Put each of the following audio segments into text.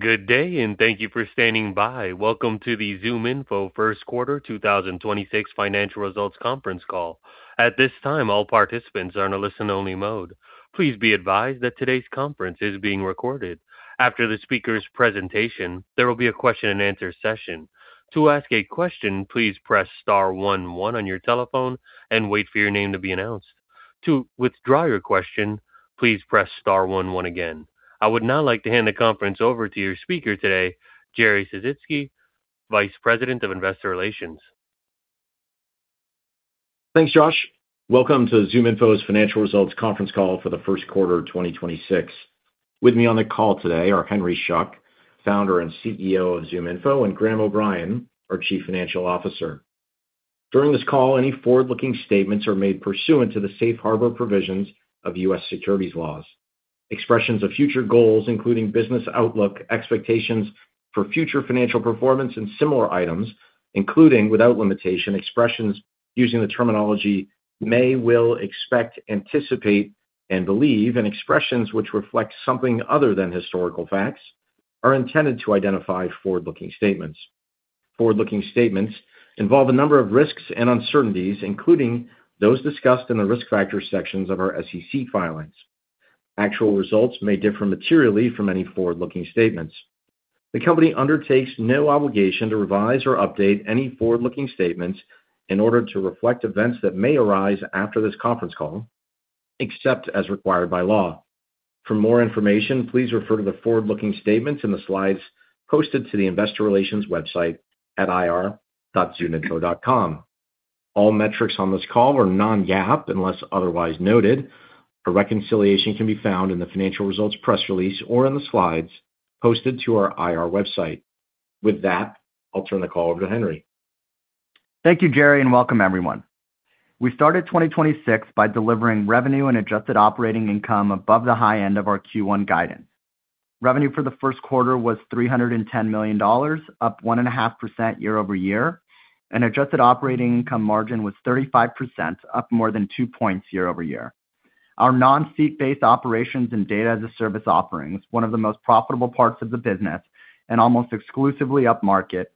Good day, and thank you for standing by. Welcome to the ZoomInfo First Quarter 2026 financial results conference call. At this time, all participants are in a listen-only mode. Please be advised that today's conference is being recorded. After the speaker's presentation, there will be a question-and-answer session. To ask a question, please press star 11 on your telephone and wait for your name to be announced. To withdraw your question, please press star 11 again. I would now like to hand the conference over to your speaker today, Jeremiah Sisitsky, Vice President of Investor Relations. Thanks, Josh. Welcome to ZoomInfo's financial results conference call for the first quarter of 2026. With me on the call today are Henry Schuck, Founder and CEO of ZoomInfo, and Graham O'Brien, our Chief Financial Officer. During this call, any forward-looking statements are made pursuant to the safe harbor provisions of U.S. securities laws. Expressions of future goals, including business outlook, expectations for future financial performance, and similar items, including without limitation, expressions using the terminology may, will, expect, anticipate, and believe, and expressions which reflect something other than historical facts, are intended to identify forward-looking statements. Forward-looking statements involve a number of risks and uncertainties, including those discussed in the Risk Factors sections of our SEC filings. Actual results may differ materially from any forward-looking statements. The company undertakes no obligation to revise or update any forward-looking statements in order to reflect events that may arise after this conference call, except as required by law. For more information, please refer to the forward-looking statements in the slides posted to the investor relations website at ir.zoominfo.com. All metrics on this call are non-GAAP, unless otherwise noted. A reconciliation can be found in the financial results press release or in the slides posted to our IR website. With that, I'll turn the call over to Henry. Thank you, Jerry. Welcome everyone. We started 2026 by delivering revenue and adjusted operating income above the high end of our Q1 guidance. Revenue for the first quarter was $310 million, up 1.5% year-over-year, and adjusted operating income margin was 35%, up more than two points year-over-year. Our non-seat-based operations and Data as a Service offerings, one of the most profitable parts of the business and almost exclusively upmarket,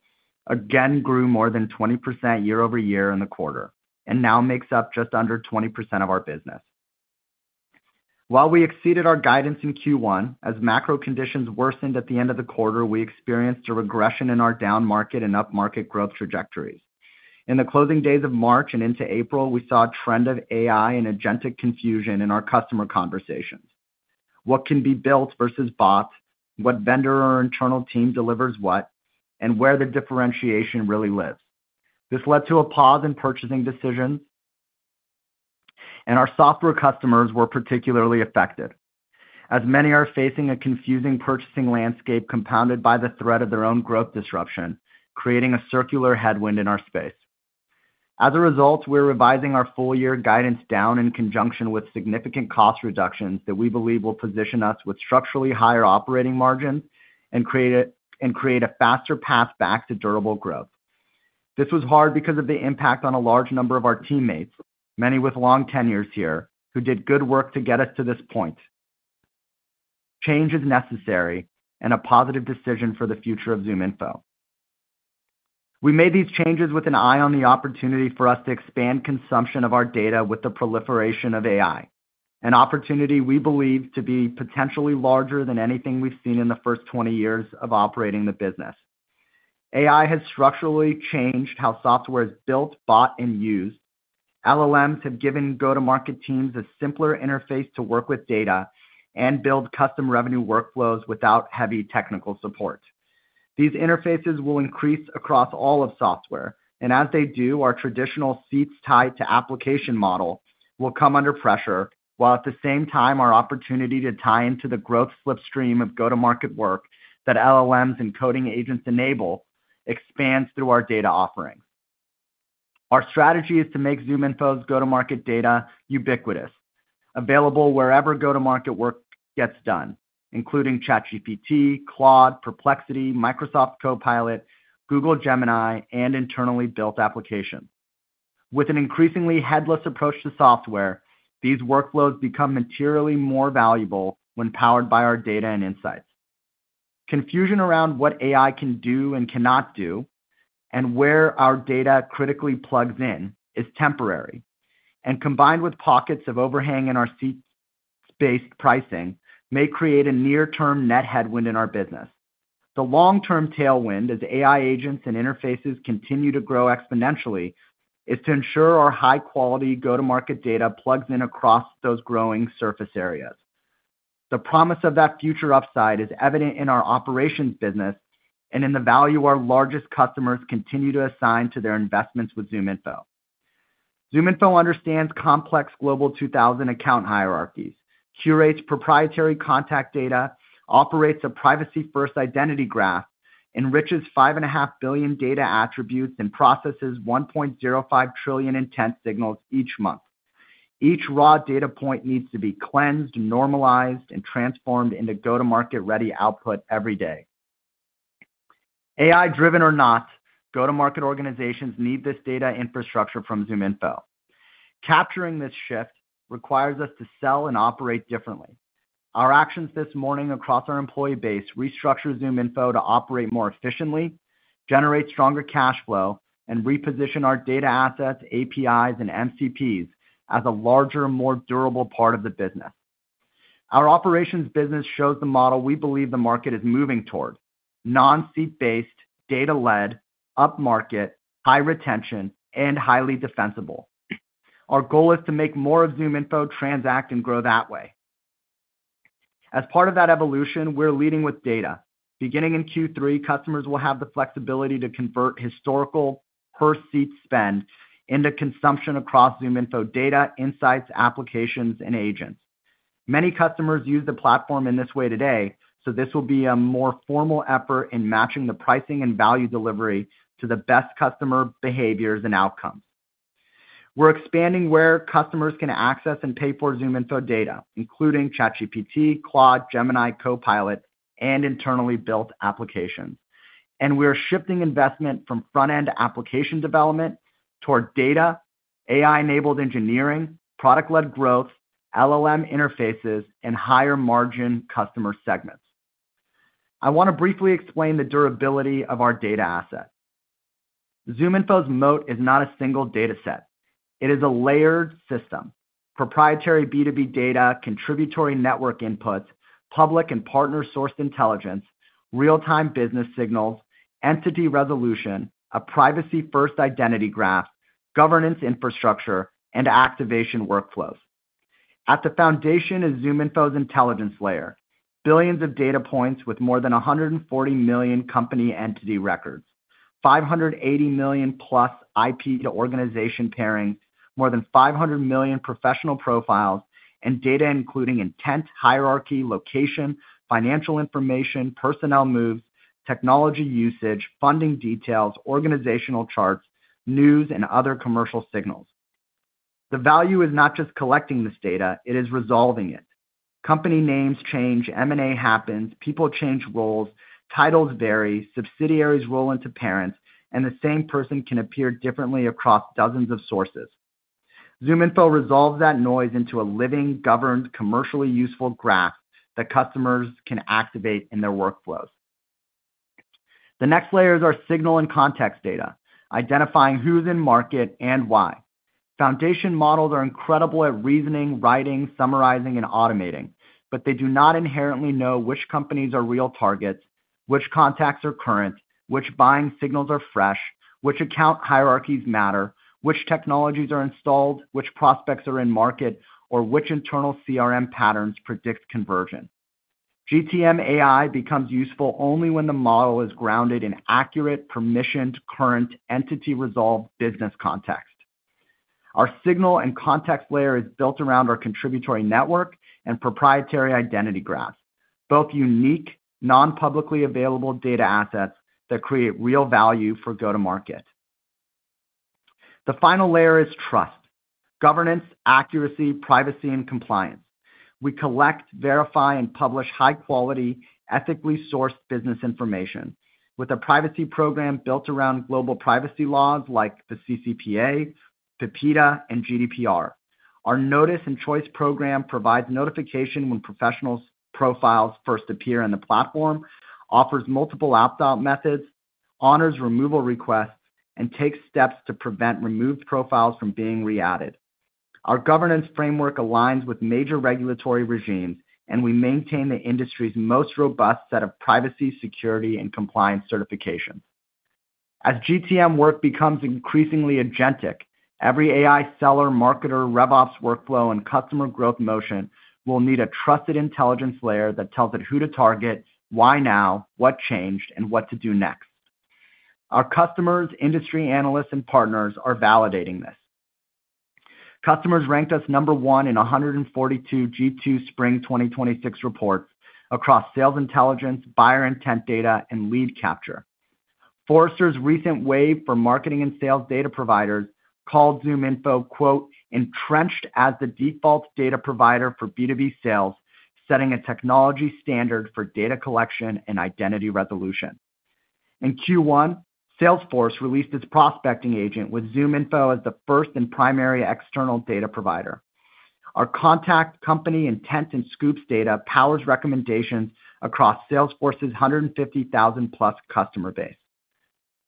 again grew more than 20% year-over-year in the quarter and now makes up just under 20% of our business. While we exceeded our guidance in Q1, as macro conditions worsened at the end of the quarter, we experienced a regression in our downmarket and upmarket growth trajectories. In the closing days of March and into April, we saw a trend of AI and agentic confusion in our customer conversations. What can be built versus bought, what vendor or internal team delivers what, and where the differentiation really lives. This led to a pause in purchasing decisions, and our software customers were particularly affected, as many are facing a confusing purchasing landscape compounded by the threat of their own growth disruption, creating a circular headwind in our space. As a result, we're revising our full year guidance down in conjunction with significant cost reductions that we believe will position us with structurally higher operating margins and create a faster path back to durable growth. This was hard because of the impact on a large number of our teammates, many with long tenures here, who did good work to get us to this point. Change is necessary and a positive decision for the future of ZoomInfo. We made these changes with an eye on the opportunity for us to expand consumption of our data with the proliferation of AI, an opportunity we believe to be potentially larger than anything we've seen in the first 20 years of operating the business. AI has structurally changed how software is built, bought, and used. LLMs have given go-to-market teams a simpler interface to work with data and build custom revenue workflows without heavy technical support. These interfaces will increase across all of software, and as they do, our traditional seats tied to application model will come under pressure, while at the same time our opportunity to tie into the growth slipstream of go-to-market work that LLMs and coding agents enable expands through our data offerings. Our strategy is to make ZoomInfo's go-to-market data ubiquitous, available wherever go-to-market work gets done, including ChatGPT, Claude, Perplexity, Microsoft Copilot, Google Gemini, and internally built applications. With an increasingly headless approach to software, these workflows become materially more valuable when powered by our data and insights. Confusion around what AI can do and cannot do, and where our data critically plugs in, is temporary, and combined with pockets of overhang in our seats-based pricing, may create a near-term net headwind in our business. The long-term tailwind, as AI agents and interfaces continue to grow exponentially, is to ensure our high-quality go-to-market data plugs in across those growing surface areas. The promise of that future upside is evident in our operations business and in the value our largest customers continue to assign to their investments with ZoomInfo. ZoomInfo understands complex Global 2000 account hierarchies, curates proprietary contact data, operates a privacy-first identity graph, enriches 5.5 billion data attributes, and processes 1.05 trillion intent signals each month. Each raw data point needs to be cleansed, normalized, and transformed into go-to-market ready output every day. AI-driven or not, go-to-market organizations need this data infrastructure from ZoomInfo. Capturing this shift requires us to sell and operate differently. Our actions this morning across our employee base restructure ZoomInfo to operate more efficiently, generate stronger cash flow, and reposition our data assets, APIs, and MCPs as a larger, more durable part of the business. Our operations business shows the model we believe the market is moving towards, non-seat-based, data-led, upmarket, high retention, and highly defensible. Our goal is to make more of ZoomInfo transact and grow that way. As part of that evolution, we're leading with data. Beginning in Q3, customers will have the flexibility to convert historical per-seat spend into consumption across ZoomInfo data, insights, applications, and agents. This will be a more formal effort in matching the pricing and value delivery to the best customer behaviors and outcomes. We're expanding where customers can access and pay for ZoomInfo data, including ChatGPT, Claude, Gemini, Copilot, and internally built applications. We are shifting investment from front-end application development toward data, AI-enabled engineering, product-led growth, LLM interfaces, and higher-margin customer segments. I want to briefly explain the durability of our data asset. ZoomInfo's moat is not a single data set. It is a layered system, proprietary B2B data, contributory network inputs, public and partner-sourced intelligence, real-time business signals, entity resolution, a privacy-first identity graph, governance infrastructure, and activation workflows. At the foundation is ZoomInfo's intelligence layer, billions of data points with more than 140 million company entity records, 580 million+ IP to organization pairing, more than 500 million professional profiles, and data including intent, hierarchy, location, financial information, personnel moves, technology usage, funding details, organizational charts, news, and other commercial signals. The value is not just collecting this data, it is resolving it. Company names change, M&A happens, people change roles, titles vary, subsidiaries roll into parents, and the same person can appear differently across dozens of sources. ZoomInfo resolves that noise into a living, governed, commercially useful graph that customers can activate in their workflows. The next layer is our signal and context data, identifying who's in market and why. Foundation models are incredible at reasoning, writing, summarizing, and automating, but they do not inherently know which companies are real targets, which contacts are current, which buying signals are fresh, which account hierarchies matter, which technologies are installed, which prospects are in market, or which internal CRM patterns predict conversion. GTM AI becomes useful only when the model is grounded in accurate, permissioned, current, entity-resolved business context. Our signal and context layer is built around our contributory network and proprietary identity graph, both unique, non-publicly available data assets that create real value for go-to-market. The final layer is trust, governance, accuracy, privacy, and compliance. We collect, verify, and publish high-quality, ethically sourced business information with a privacy program built around global privacy laws like the CCPA, PIPEDA, and GDPR. Our notice and choice program provides notification when professionals' profiles first appear in the platform, offers multiple opt-out methods, honors removal requests, and takes steps to prevent removed profiles from being re-added. Our governance framework aligns with major regulatory regimes. We maintain the industry's most robust set of privacy, security, and compliance certifications. As GTM work becomes increasingly agentic, every AI seller, marketer, rev ops workflow, and customer growth motion will need a trusted intelligence layer that tells it who to target, why now, what changed, and what to do next. Our customers, industry analysts, and partners are validating this. Customers ranked us number one in 142 G2 Spring 2026 reports across sales intelligence, buyer intent data, and lead capture. Forrester's recent Wave for marketing and sales data providers called ZoomInfo, quote, "Entrenched as the default data provider for B2B sales, setting a technology standard for data collection and identity resolution." In Q1, Salesforce released its prospecting agent with ZoomInfo as the 1st and primary external data provider. Our contact, company, intent, and scoops data powers recommendations across Salesforce's 150,000-plus customer base.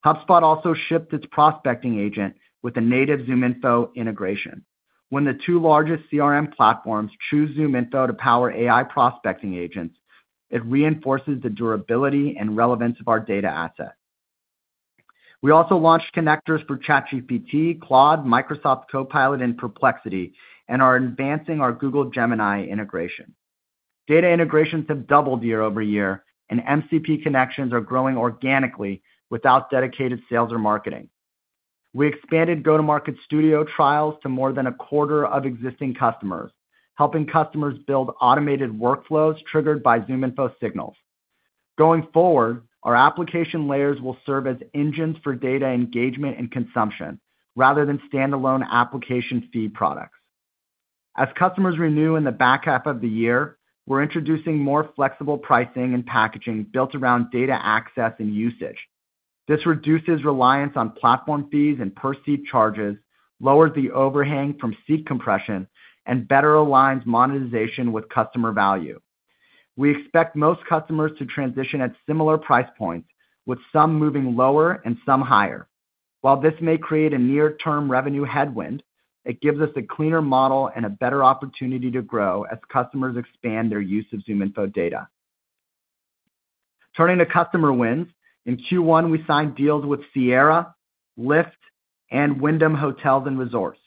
HubSpot also shipped its prospecting agent with a native ZoomInfo integration. When the two largest CRM platforms choose ZoomInfo to power AI prospecting agents, it reinforces the durability and relevance of our data asset. We also launched connectors for ChatGPT, Claude, Microsoft Copilot, and Perplexity, and are advancing our Google Gemini integration. Data integrations have doubled year-over-year, and MCP connections are growing organically without dedicated sales or marketing. We expanded Go-to-Market Studio trials to more than a quarter of existing customers, helping customers build automated workflows triggered by ZoomInfo signals. Going forward, our application layers will serve as engines for data engagement and consumption rather than standalone application seat products. As customers renew in the back half of the year, we're introducing more flexible pricing and packaging built around data access and usage. This reduces reliance on platform fees and per-seat charges, lowers the overhang from seat compression, and better aligns monetization with customer value. We expect most customers to transition at similar price points, with some moving lower and some higher. While this may create a near-term revenue headwind, it gives us a cleaner model and a better opportunity to grow as customers expand their use of ZoomInfo data. Turning to customer wins, in Q1, we signed deals with Sierra, Lyft, and Wyndham Hotels and Resorts.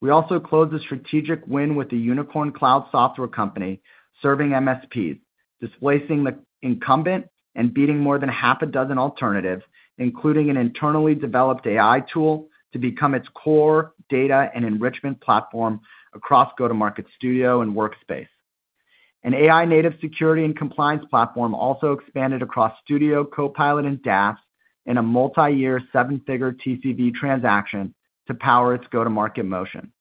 We also closed a strategic win with a unicorn cloud software company serving MSPs, displacing the incumbent and beating more than half a dozen alternatives, including an internally developed AI tool to become its core data and enrichment platform across Go-to-Market Studio and Workspace. An AI-native security and compliance platform also expanded across Studio, Copilot, and DaaS in a multiyear seven-figure TCV transaction to power its go-to-market motion.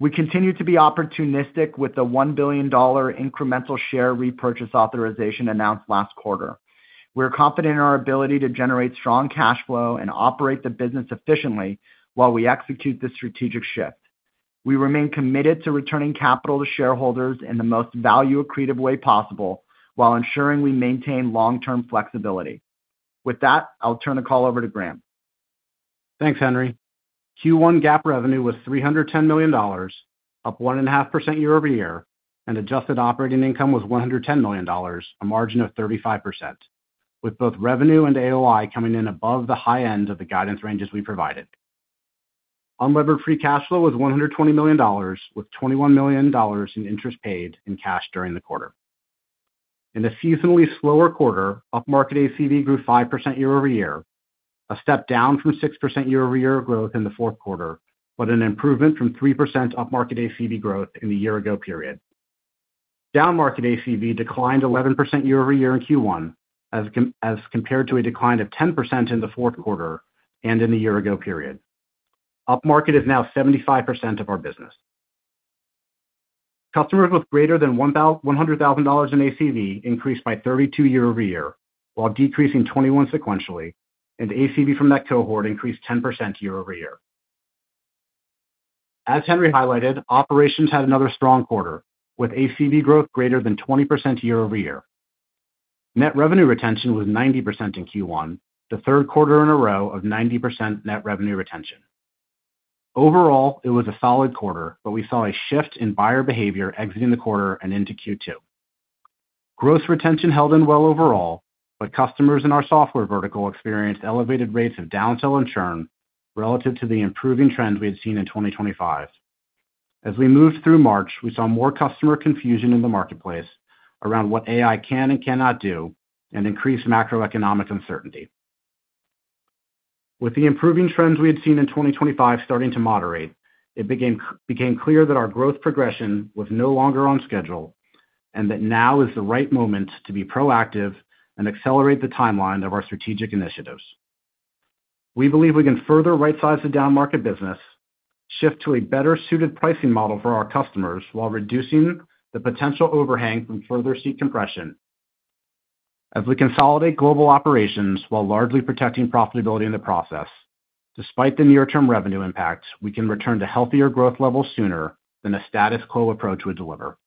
We continue to be opportunistic with the $1 billion incremental share repurchase authorization announced last quarter. We're confident in our ability to generate strong cash flow and operate the business efficiently while we execute this strategic shift. We remain committed to returning capital to shareholders in the most value-accretive way possible while ensuring we maintain long-term flexibility. With that, I'll turn the call over to Graham. Thanks, Henry. Q1 GAAP revenue was $310 million, up 1.5% year-over-year, adjusted operating income was $110 million, a margin of 35%, with both revenue and AOI coming in above the high end of the guidance ranges we provided. Unlevered free cash flow was $120 million, with $21 million in interest paid in cash during the quarter. In a seasonally slower quarter, upmarket ACV grew 5% year-over-year, a step down from 6% year-over-year growth in the fourth quarter, an improvement from 3% upmarket ACV growth in the year-ago period. Downmarket ACV declined 11% year-over-year in Q1 as compared to a decline of 10% in the fourth quarter and in the year-ago period. Upmarket is now 75% of our business. Customers with greater than $100,000 in ACV increased by 32 year-over-year, while decreasing 21 sequentially, and ACV from that cohort increased 10% year-over-year. As Henry highlighted, Operations had another strong quarter, with ACV growth greater than 20% year-over-year. Net revenue retention was 90% in Q1, the third quarter in a row of 90% net revenue retention. Overall, it was a solid quarter. We saw a shift in buyer behavior exiting the quarter and into Q2. Gross retention held in well overall. Customers in our software vertical experienced elevated rates of down-sell and churn relative to the improving trends we had seen in 2025. As we moved through March, we saw more customer confusion in the marketplace around what AI can and cannot do and increased macroeconomic uncertainty. With the improving trends we had seen in 2025 starting to moderate, it became clear that our growth progression was no longer on schedule and that now is the right moment to be proactive and accelerate the timeline of our strategic initiatives. We believe we can further rightsize the downmarket business, shift to a better-suited pricing model for our customers while reducing the potential overhang from further seat compression. As we consolidate global operations while largely protecting profitability in the process. Despite the near-term revenue impact, we can return to healthier growth levels sooner than a status quo approach would deliver.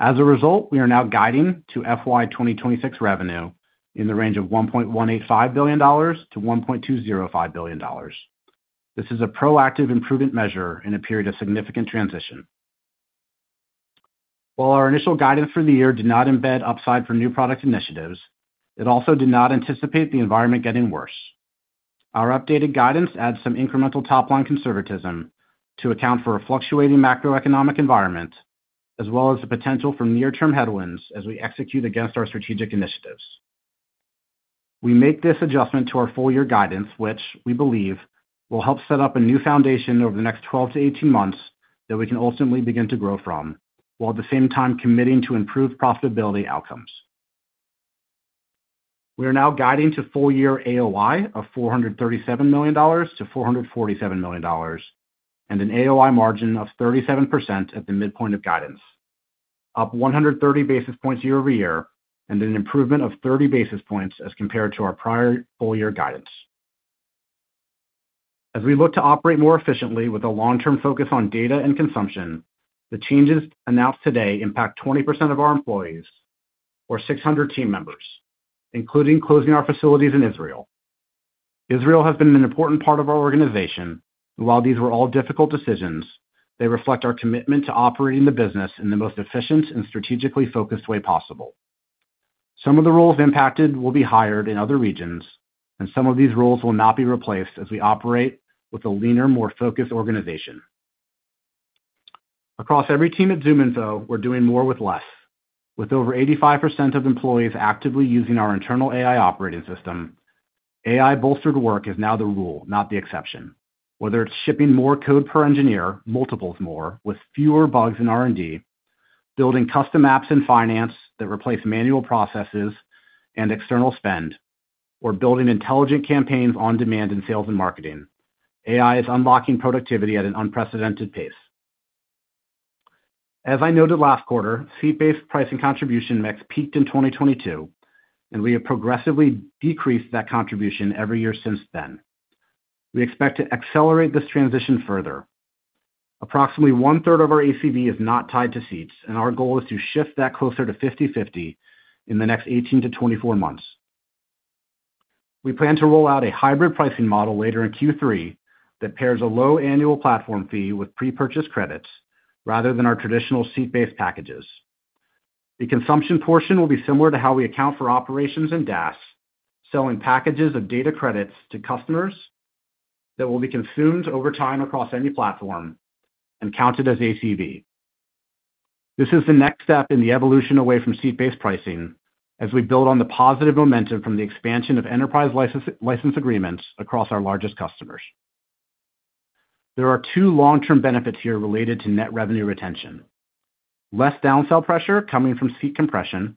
As a result, we are now guiding to FY 2026 revenue in the range of $1.185 billion-$1.205 billion. This is a proactive and prudent measure in a period of significant transition. While our initial guidance for the year did not embed upside for new product initiatives, it also did not anticipate the environment getting worse. Our updated guidance adds some incremental top-line conservatism to account for a fluctuating macroeconomic environment, as well as the potential for near-term headwinds as we execute against our strategic initiatives. We make this adjustment to our full year guidance, which we believe will help set up a new foundation over the next 12-18 months that we can ultimately begin to grow from, while at the same time committing to improved profitability outcomes. We are now guiding to full-year AOI of $437 million-$447 million, and an AOI margin of 37% at the midpoint of guidance, up 130 basis points year-over-year and an improvement of 30 basis points as compared to our prior full-year guidance. As we look to operate more efficiently with a long-term focus on data and consumption, the changes announced today impact 20% of our employees or 600 team members, including closing our facilities in Israel. Israel has been an important part of our organization. While these were all difficult decisions, they reflect our commitment to operating the business in the most efficient and strategically focused way possible. Some of the roles impacted will be hired in other regions, and some of these roles will not be replaced as we operate with a leaner, more focused organization. Across every team at ZoomInfo, we're doing more with less. With over 85% of employees actively using our internal AI operating system, AI-bolstered work is now the rule, not the exception. Whether it's shipping more code per engineer, multiples more, with fewer bugs in R&D, building custom apps in finance that replace manual processes and external spend, or building intelligent campaigns on demand in sales and marketing, AI is unlocking productivity at an unprecedented pace. As I noted last quarter, seat-based pricing contribution mix peaked in 2022, and we have progressively decreased that contribution every year since then. We expect to accelerate this transition further. Approximately one-third of our ACV is not tied to seats, and our goal is to shift that closer to 50/50 in the next 18-24 months. We plan to roll out a hybrid pricing model later in Q3 that pairs a low annual platform fee with pre-purchase credits rather than our traditional seat-based packages. The consumption portion will be similar to how we account for ZoomInfo Operations and DaaS, selling packages of data credits to customers that will be consumed over time across any platform and counted as ACV. This is the next step in the evolution away from seat-based pricing as we build on the positive momentum from the expansion of enterprise license agreements across our largest customers. There are two long-term benefits here related to net revenue retention. Less down-sell pressure coming from seat compression,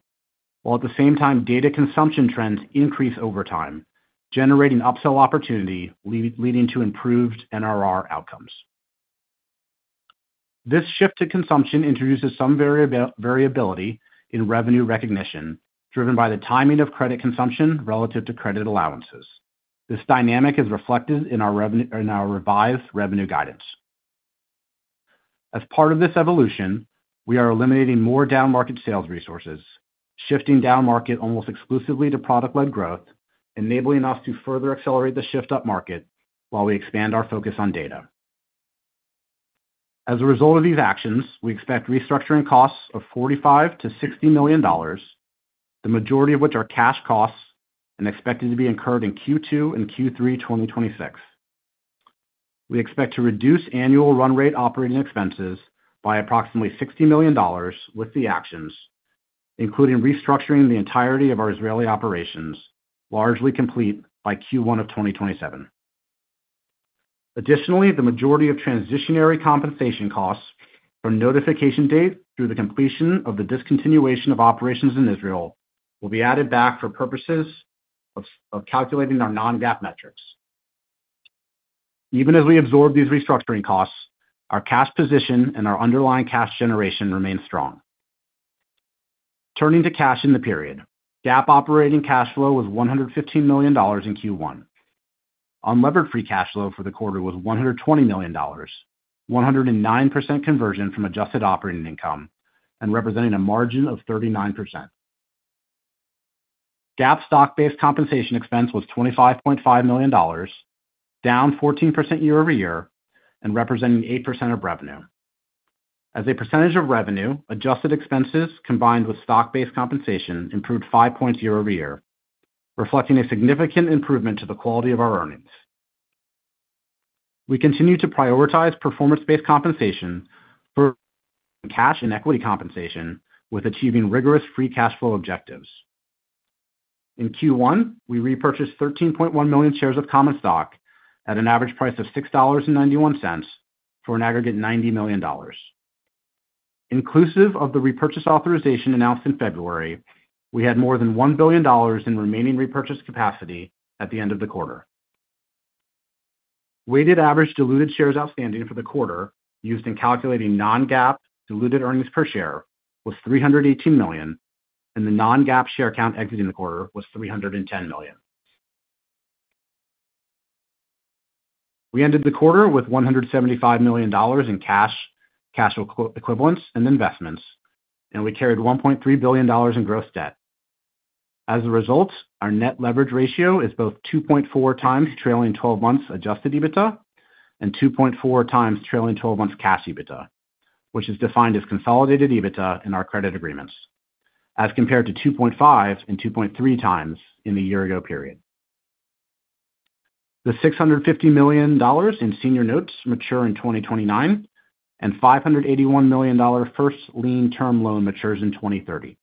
while at the same time data consumption trends increase over time, generating upsell opportunity leading to improved NRR outcomes. This shift to consumption introduces some variability in revenue recognition, driven by the timing of credit consumption relative to credit allowances. This dynamic is reflected in our revised revenue guidance. As part of this evolution, we are eliminating more down-market sales resources, shifting down-market almost exclusively to product-led growth, enabling us to further accelerate the shift up market while we expand our focus on data. A result of these actions, we expect restructuring costs of $45 million-$60 million, the majority of which are cash costs and expected to be incurred in Q2 and Q3 2026. We expect to reduce annual run rate operating expenses by approximately $60 million with the actions, including restructuring the entirety of our Israeli operations, largely complete by Q1 of 2027. The majority of transitionary compensation costs from notification date through the completion of the discontinuation of operations in Israel will be added back for purposes of calculating our non-GAAP metrics. As we absorb these restructuring costs, our cash position and our underlying cash generation remain strong. Turning to cash in the period, GAAP operating cash flow was $115 million in Q1. Unlevered free cash flow for the quarter was $120 million, 109% conversion from adjusted operating income, and representing a margin of 39%. GAAP stock-based compensation expense was $25.5 million, down 14% year-over-year, and representing 8% of revenue. As a percentage of revenue, adjusted expenses combined with stock-based compensation improved 5 points year-over-year, reflecting a significant improvement to the quality of our earnings. We continue to prioritize performance-based compensation for cash and equity compensation with achieving rigorous free cash flow objectives. In Q1, we repurchased 13.1 million shares of common stock at an average price of $6.91 for an aggregate $90 million. Inclusive of the repurchase authorization announced in February, we had more than $1 billion in remaining repurchase capacity at the end of the quarter. Weighted average diluted shares outstanding for the quarter used in calculating non-GAAP diluted earnings per share was 318 million, and the non-GAAP share count exiting the quarter was 310 million. We ended the quarter with $175 million in cash equivalents, and investments, and we carried $1.3 billion in gross debt. As a result, our net leverage ratio is both 2.4x trailing twelve-months adjusted EBITDA and 2.4x trailing twelve-months cash EBITDA, which is defined as consolidated EBITDA in our credit agreements, as compared to 2.5x and 2.3x in the year-ago period. The $650 million in senior notes mature in 2029, and $581 million first lien term loan matures in 2030.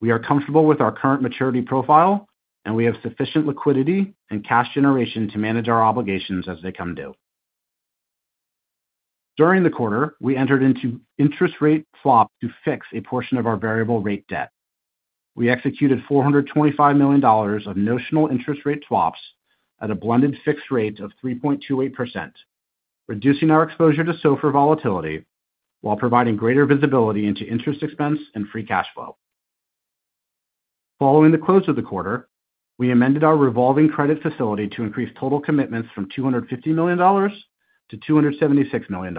We are comfortable with our current maturity profile, and we have sufficient liquidity and cash generation to manage our obligations as they come due. During the quarter, we entered into interest rate swap to fix a portion of our variable rate debt. We executed $425 million of notional interest rate swaps at a blended fixed rate of 3.28%, reducing our exposure to SOFR volatility while providing greater visibility into interest expense and free cash flow. Following the close of the quarter, we amended our revolving credit facility to increase total commitments from $250 million-$276 million,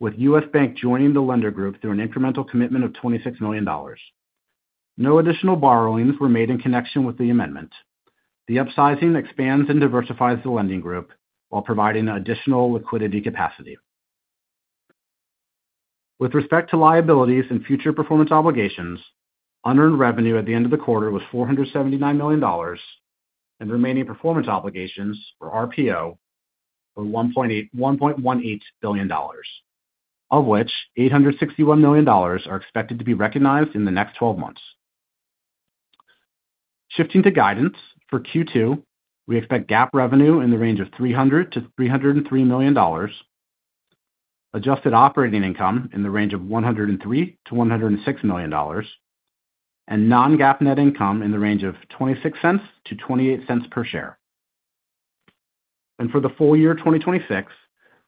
with U.S. Bank joining the lender group through an incremental commitment of $26 million. No additional borrowings were made in connection with the amendment. The upsizing expands and diversifies the lending group while providing additional liquidity capacity. With respect to liabilities and future performance obligations, unearned revenue at the end of the quarter was $479 million, and remaining performance obligations or RPO were $1.18 billion, of which $861 million are expected to be recognized in the next 12 months. Shifting to guidance for Q2, we expect GAAP revenue in the range of $300 million-$303 million. Adjusted operating income in the range of $103 million-$106 million. Non-GAAP net income in the range of $0.26-$0.28 per share. For the full year 2026,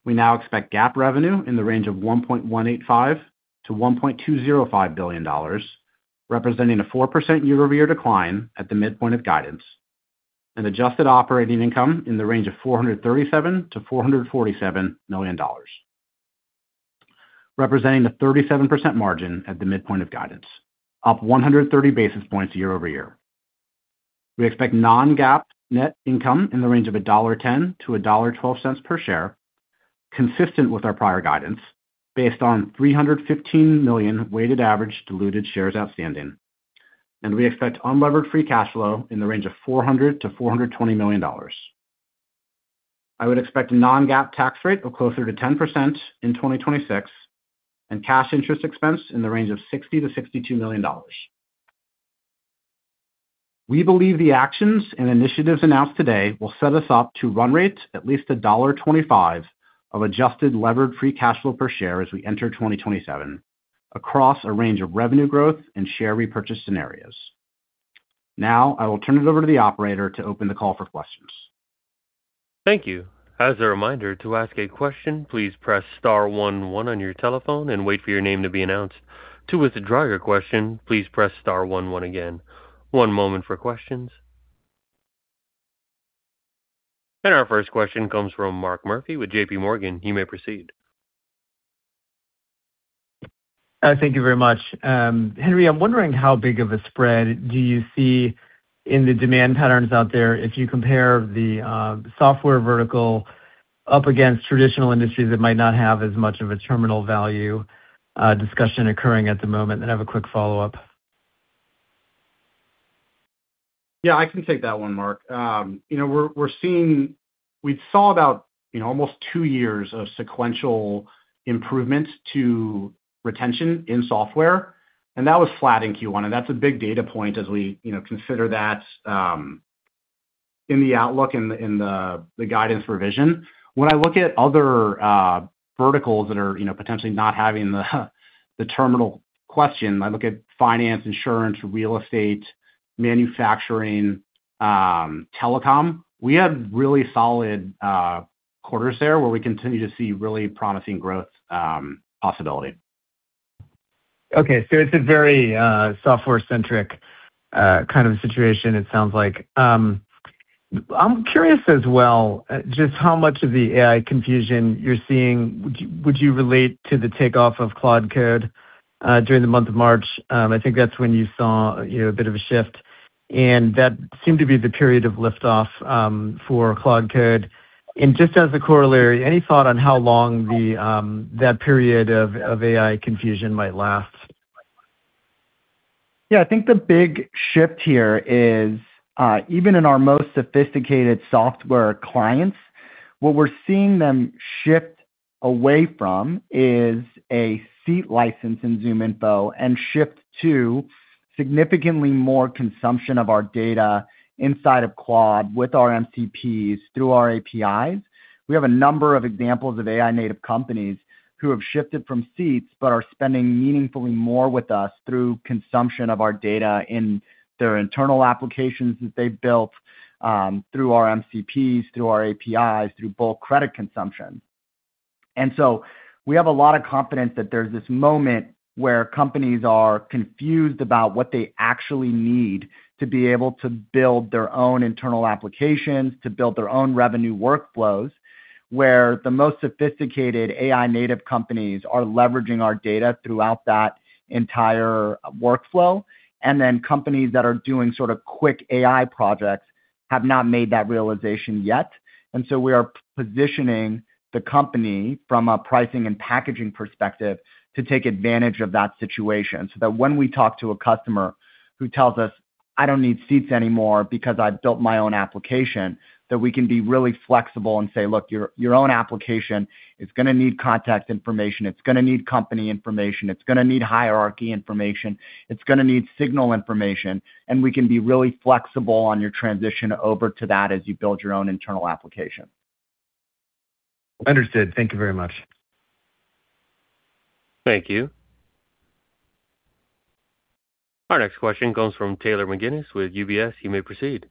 we now expect GAAP revenue in the range of $1.185 billion-$1.205 billion, representing a 4% year-over-year decline at the midpoint of guidance. An adjusted operating income in the range of $437 million-$447 million, representing a 37% margin at the midpoint of guidance, up 130 basis points year-over-year. We expect non-GAAP net income in the range of $1.10-$1.12 per share, consistent with our prior guidance based on 315 million weighted average diluted shares outstanding. We expect unlevered free cash flow in the range of $400 million-$420 million. I would expect a non-GAAP tax rate of closer to 10% in 2026 and cash interest expense in the range of $60 million-$62 million. We believe the actions and initiatives announced today will set us up to run rates at least $1.25 of adjusted levered free cash flow per share as we enter 2027 across a range of revenue growth and share repurchase scenarios. Now I will turn it over to the operator to open the call for questions. Thank you. As a reminder to ask a question, please press star 11 on your telephone and wait for your name to be announced. To withdraw your question, please press star 11 again. One moment for questions. Our first question comes from Mark Murphy with JPMorgan. You may proceed. Thank you very much. Henry, I'm wondering how big of a spread do you see in the demand patterns out there if you compare the software vertical up against traditional industries that might not have as much of a terminal value discussion occurring at the moment? I have a quick follow-up. Yeah, I can take that one, Mark. You know, we saw about, you know, almost two years of sequential improvement to retention in software, and that was flat in Q1, and that's a big data point as we, you know, consider that in the outlook in the guidance revision. When I look at other verticals that are, you know, potentially not having the terminal question, I look at finance, insurance, real estate, manufacturing, telecom. We had really solid quarters there where we continue to see really promising growth possibility. Okay. It's a very software-centric kind of situation, it sounds like. I'm curious as well, just how much of the AI confusion you're seeing would you relate to the takeoff of Claude Code during the month of March? I think that's when you saw, you know, a bit of a shift, and that seemed to be the period of liftoff for Claude Code. Just as a corollary, any thought on how long the that period of AI confusion might last? Yeah. I think the big shift here is, even in our most sophisticated software clients, what we're seeing them shift away from is a seat license in ZoomInfo and shift to significantly more consumption of our data inside of Claude with our MCPs through our APIs. We have a number of examples of AI native companies who have shifted from seats but are spending meaningfully more with us through consumption of our data in their internal applications that they've built, through our MCPs, through our APIs, through bulk credit consumption. We have a lot of confidence that there's this moment where companies are confused about what they actually need to be able to build their own internal applications, to build their own revenue workflows, where the most sophisticated AI native companies are leveraging our data throughout that entire workflow. Companies that are doing sort of quick AI projects have not made that realization yet. We are positioning the company from a pricing and packaging perspective to take advantage of that situation so that when we talk to a customer who tells us, "I don't need seats anymore because I've built my own application," that we can be really flexible and say, "Look, your own application is gonna need contact information, it's gonna need company information, it's gonna need hierarchy information, it's gonna need signal information, and we can be really flexible on your transition over to that as you build your own internal application. Understood. Thank you very much. Thank you. Our next question comes from Taylor McGinnis with UBS. You may proceed.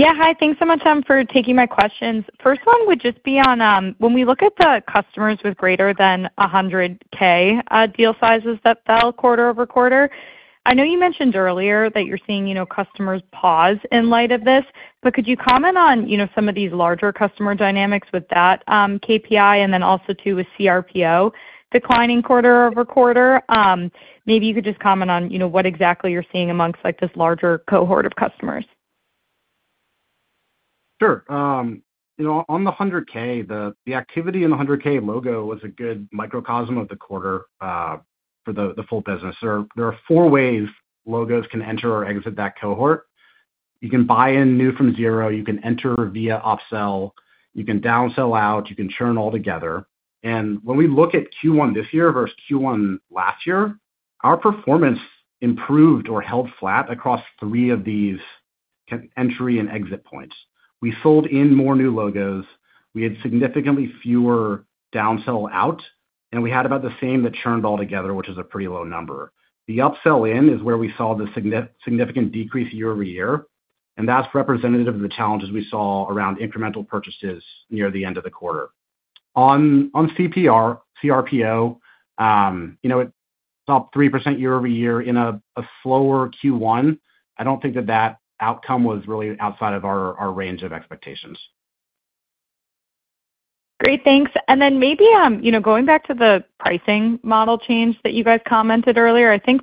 Hi. Thanks so much for taking my questions. First one would just be on, when we look at the customers with greater than a 100K deal sizes that fell quarter-over-quarter, I know you mentioned earlier that you're seeing, you know, customers pause in light of this, but could you comment on, you know, some of these larger customer dynamics with that KPI and then also too with CRPO declining quarter-over-quarter? Maybe you could just comment on, you know, what exactly you're seeing amongst like this larger cohort of customers. Sure. You know, on the 100K, the activity in the 100K logo was a good microcosm of the quarter for the full business. There are four ways logos can enter or exit that cohort. You can buy in new from zero, you can enter via upsell, you can downsell out, you can churn altogether. When we look at Q1 this year versus Q1 last year, our performance improved or held flat across three of these entry and exit points. We sold in more new logos. We had significantly fewer downsell out, and we had about the same that churned altogether, which is a pretty low number. The upsell in is where we saw the significant decrease year over year, and that's representative of the challenges we saw around incremental purchases near the end of the quarter. On CRPO, you know, it's up 3% year-over-year in a slower Q1. I don't think that that outcome was really outside of our range of expectations. Great. Thanks. Then maybe, you know, going back to the pricing model change that you guys commented earlier, I think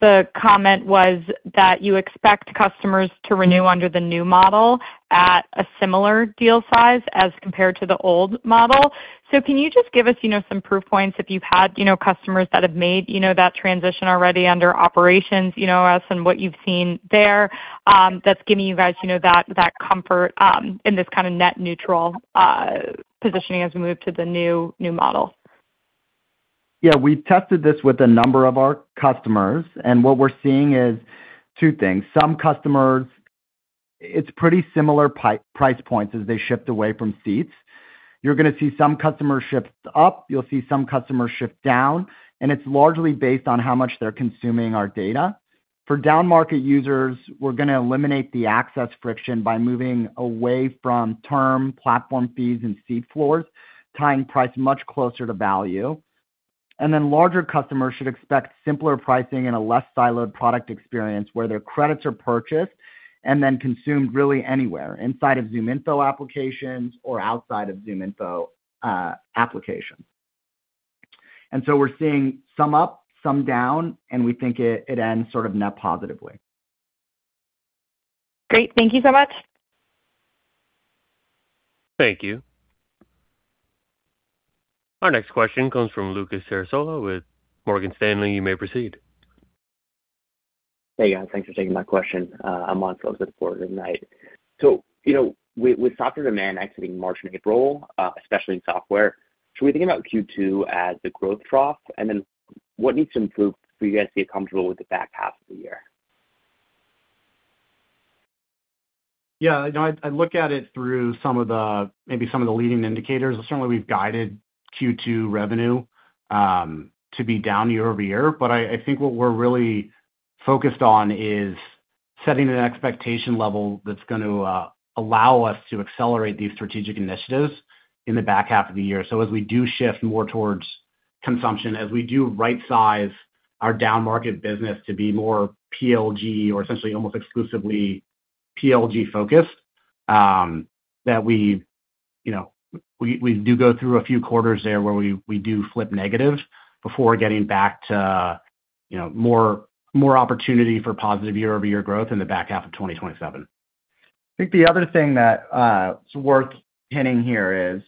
the comment was that you expect customers to renew under the new model at a similar deal size as compared to the old model. Can you just give us, you know, some proof points if you've had, you know, customers that have made, you know, that transition already under Operations, you know, as in what you've seen there, that's giving you guys, you know, that comfort, in this kinda net neutral positioning as we move to the new model? Yeah. We tested this with a number of our customers, and what we're seeing is two things. Some customers, it's pretty similar price points as they shipped away from seats. You're gonna see some customers shift up, you'll see some customers shift down, and it's largely based on how much they're consuming our data. For down-market users, we're gonna eliminate the access friction by moving away from term platform fees and seat floors, tying price much closer to value. Larger customers should expect simpler pricing and a less siloed product experience where their credits are purchased and then consumed really anywhere, inside of ZoomInfo applications or outside of ZoomInfo applications. We're seeing some up, some down, and we think it ends sort of net positively. Great. Thank you so much. Thank you. Our next question comes from Lucas Sarasola with Morgan Stanley. You may proceed. Hey, guys. Thanks for taking my question. I'm on for Sanjit Singh. With software demand exiting March and April, especially in software, should we think about Q2 as the growth trough? What needs to improve for you guys to get comfortable with the back half of the year? Yeah, you know, I look at it through some of the, maybe some of the leading indicators. Certainly, we've guided Q2 revenue to be down year-over-year. I think what we're really focused on is setting an expectation level that's going to allow us to accelerate these strategic initiatives in the back half of the year. As we do shift more towards consumption, as we do right-size our down-market business to be more PLG or essentially almost exclusively PLG-focused, that we, you know, we do go through a few quarters there where we do flip negative before getting back to, you know, more opportunity for positive year-over-year growth in the back half of 2027. I think the other thing that is worth pinning here is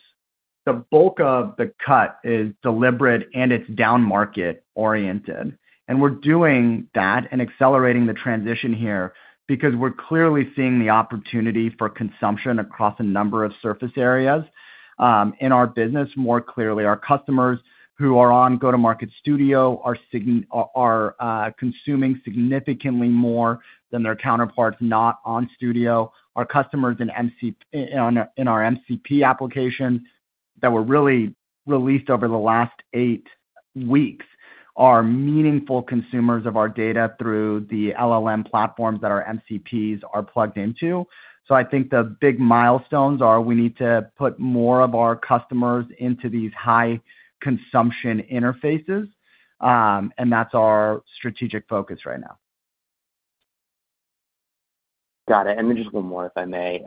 the bulk of the cut is deliberate, and it's down-market oriented. We're doing that and accelerating the transition here because we're clearly seeing the opportunity for consumption across a number of surface areas in our business more clearly. Our customers who are on Go-to-Market Studio are consuming significantly more than their counterparts not on Studio. Our customers in our MCP application that were really released over the last eight weeks are meaningful consumers of our data through the LLM platforms that our MCPs are plugged into. I think the big milestones are we need to put more of our customers into these high consumption interfaces, and that's our strategic focus right now. Got it. Just one more, if I may.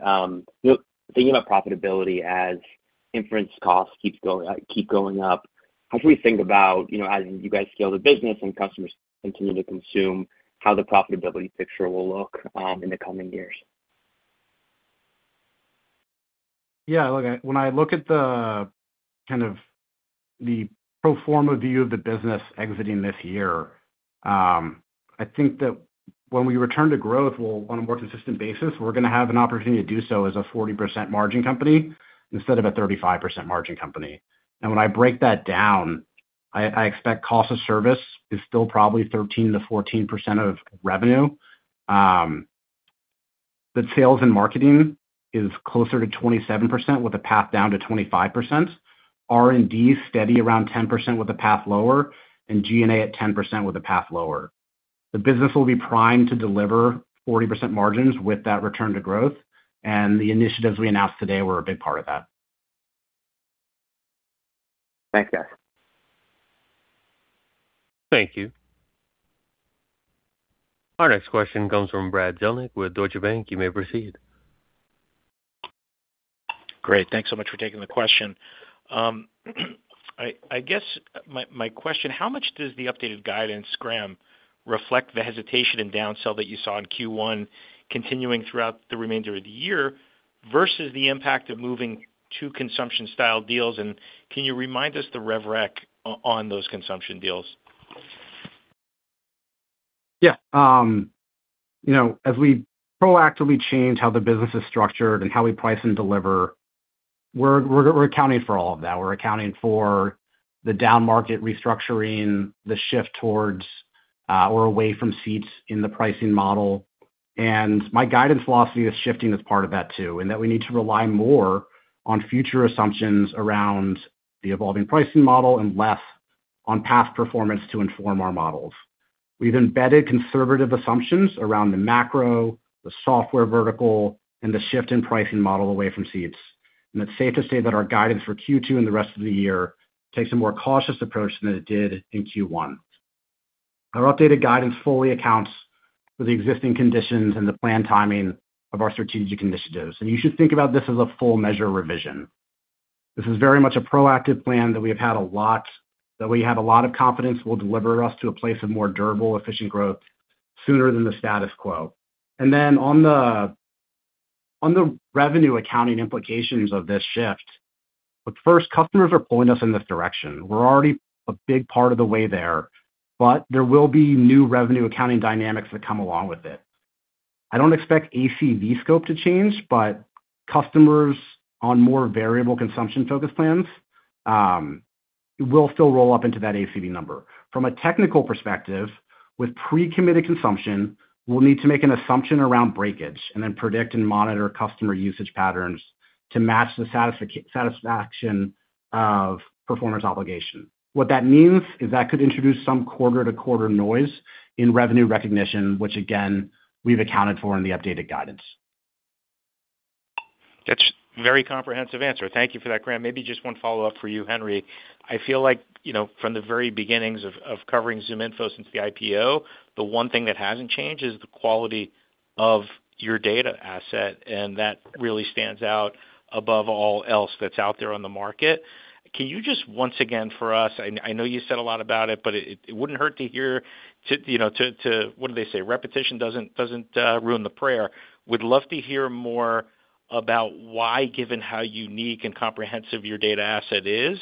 Thinking about profitability as inference costs keep going up, how should we think about, you know, as you guys scale the business and customers continue to consume, how the profitability picture will look in the coming years? Look, when I look at the pro forma view of the business exiting this year, I think that when we return to growth, we'll, on a more consistent basis, we're going to have an opportunity to do so as a 40% margin company instead of a 35% margin company. When I break that down, I expect cost of service is still probably 13%-14% of revenue, but sales and marketing is closer to 27% with a path down to 25%. R&D is steady around 10% with a path lower, and G&A at 10% with a path lower. The business will be primed to deliver 40% margins with that return to growth, and the initiatives we announced today were a big part of that. Thanks, guys. Thank you. Our next question comes from Brad Zelnick with Deutsche Bank. You may proceed. Great. Thanks so much for taking the question. I guess my question, how much does the updated guidance, Graham, reflect the hesitation in downsell that you saw in Q1 continuing throughout the remainder of the year versus the impact of moving to consumption style deals? Can you remind us the rev rec on those consumption deals? Yeah, you know, as we proactively change how the business is structured and how we price and deliver, we're accounting for all of that. We're accounting for the down-market restructuring, the shift towards or away from seats in the pricing model. My guidance philosophy is shifting as part of that too, and that we need to rely more on future assumptions around the evolving pricing model and less on past performance to inform our models. We've embedded conservative assumptions around the macro, the software vertical, and the shift in pricing model away from seats. It's safe to say that our guidance for Q2 and the rest of the year takes a more cautious approach than it did in Q1. Our updated guidance fully accounts for the existing conditions and the planned timing of our strategic initiatives. You should think about this as a full measure revision. This is very much a proactive plan that we have a lot of confidence will deliver us to a place of more durable, efficient growth sooner than the status quo. On the, on the revenue accounting implications of this shift, look, first, customers are pulling us in this direction. We're already a big part of the way there, but there will be new revenue accounting dynamics that come along with it. I don't expect ACV scope to change, but customers on more variable consumption-focused plans will still roll up into that ACV number. From a technical perspective, with pre-committed consumption, we'll need to make an assumption around breakage and then predict and monitor customer usage patterns to match the satisfaction of performers' obligation. What that means is that could introduce some quarter-to-quarter noise in revenue recognition, which again, we've accounted for in the updated guidance. That's very comprehensive answer. Thank you for that, Graham. Maybe just one follow-up for you, Henry. I feel like, you know, from the very beginnings of covering ZoomInfo since the IPO, the one thing that hasn't changed is the quality of your data asset, and that really stands out above all else that's out there on the market. Can you just once again, for us, I know you said a lot about it, but it wouldn't hurt to hear you know, to what do they say? Repetition doesn't ruin the prayer. Would love to hear more about why, given how unique and comprehensive your data asset is,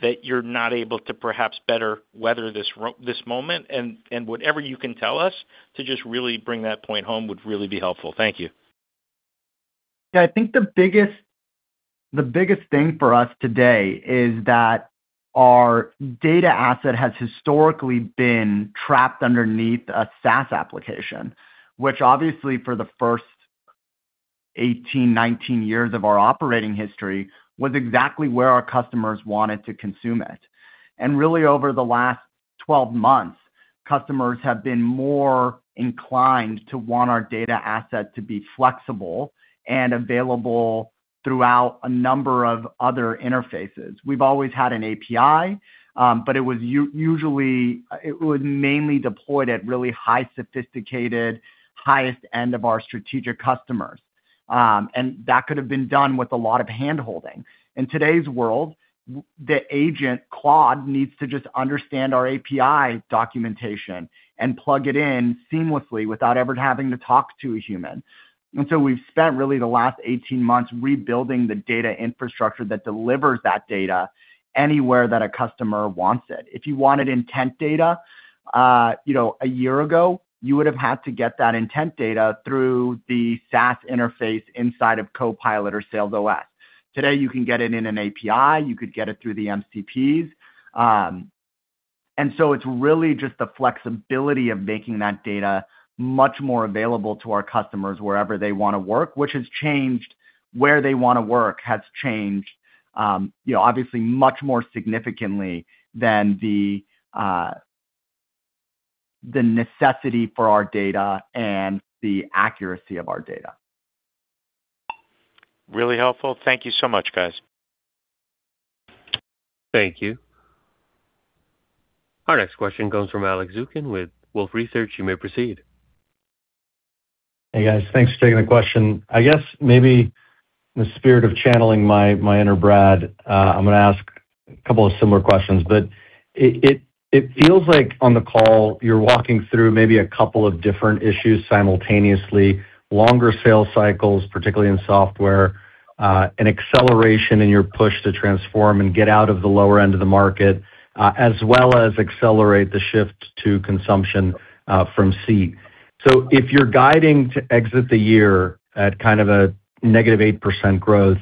that you're not able to perhaps better weather this moment and whatever you can tell us to just really bring that point home would really be helpful. Thank you. Yeah. I think the biggest thing for us today is that our data asset has historically been trapped underneath a SaaS application, which obviously for the first 18, 19 years of our operating history, was exactly where our customers wanted to consume it. Really over the last 12 months, customers have been more inclined to want our data asset to be flexible and available throughout a number of other interfaces. We've always had an API, it was mainly deployed at really high sophisticated, highest end of our strategic customers. That could have been done with a lot of hand-holding. In today's world, the agent Claude needs to just understand our API documentation and plug it in seamlessly without ever having to talk to a human. We've spent really the last 18 months rebuilding the data infrastructure that delivers that data anywhere that a customer wants it. If you wanted intent data, you know, a year ago, you would have had to get that intent data through the SaaS interface inside of Copilot or SalesOS. Today, you can get it in an API, you could get it through the MCPs. It's really just the flexibility of making that data much more available to our customers wherever they wanna work, which has changed where they wanna work, has changed, you know, obviously much more significantly than the necessity for our data and the accuracy of our data. Really helpful. Thank you so much, guys. Thank you. Our next question comes from Alex Zukin with Wolfe Research. You may proceed. Hey, guys. Thanks for taking the question. I guess maybe in the spirit of channeling my inner Brad, I'm gonna ask a couple of similar questions, but it feels like on the call you're walking through maybe a couple of different issues simultaneously, longer sales cycles, particularly in software, an acceleration in your push to transform and get out of the lower end of the market, as well as accelerate the shift to consumption from seat. If you're guiding to exit the year at kind of a -8% growth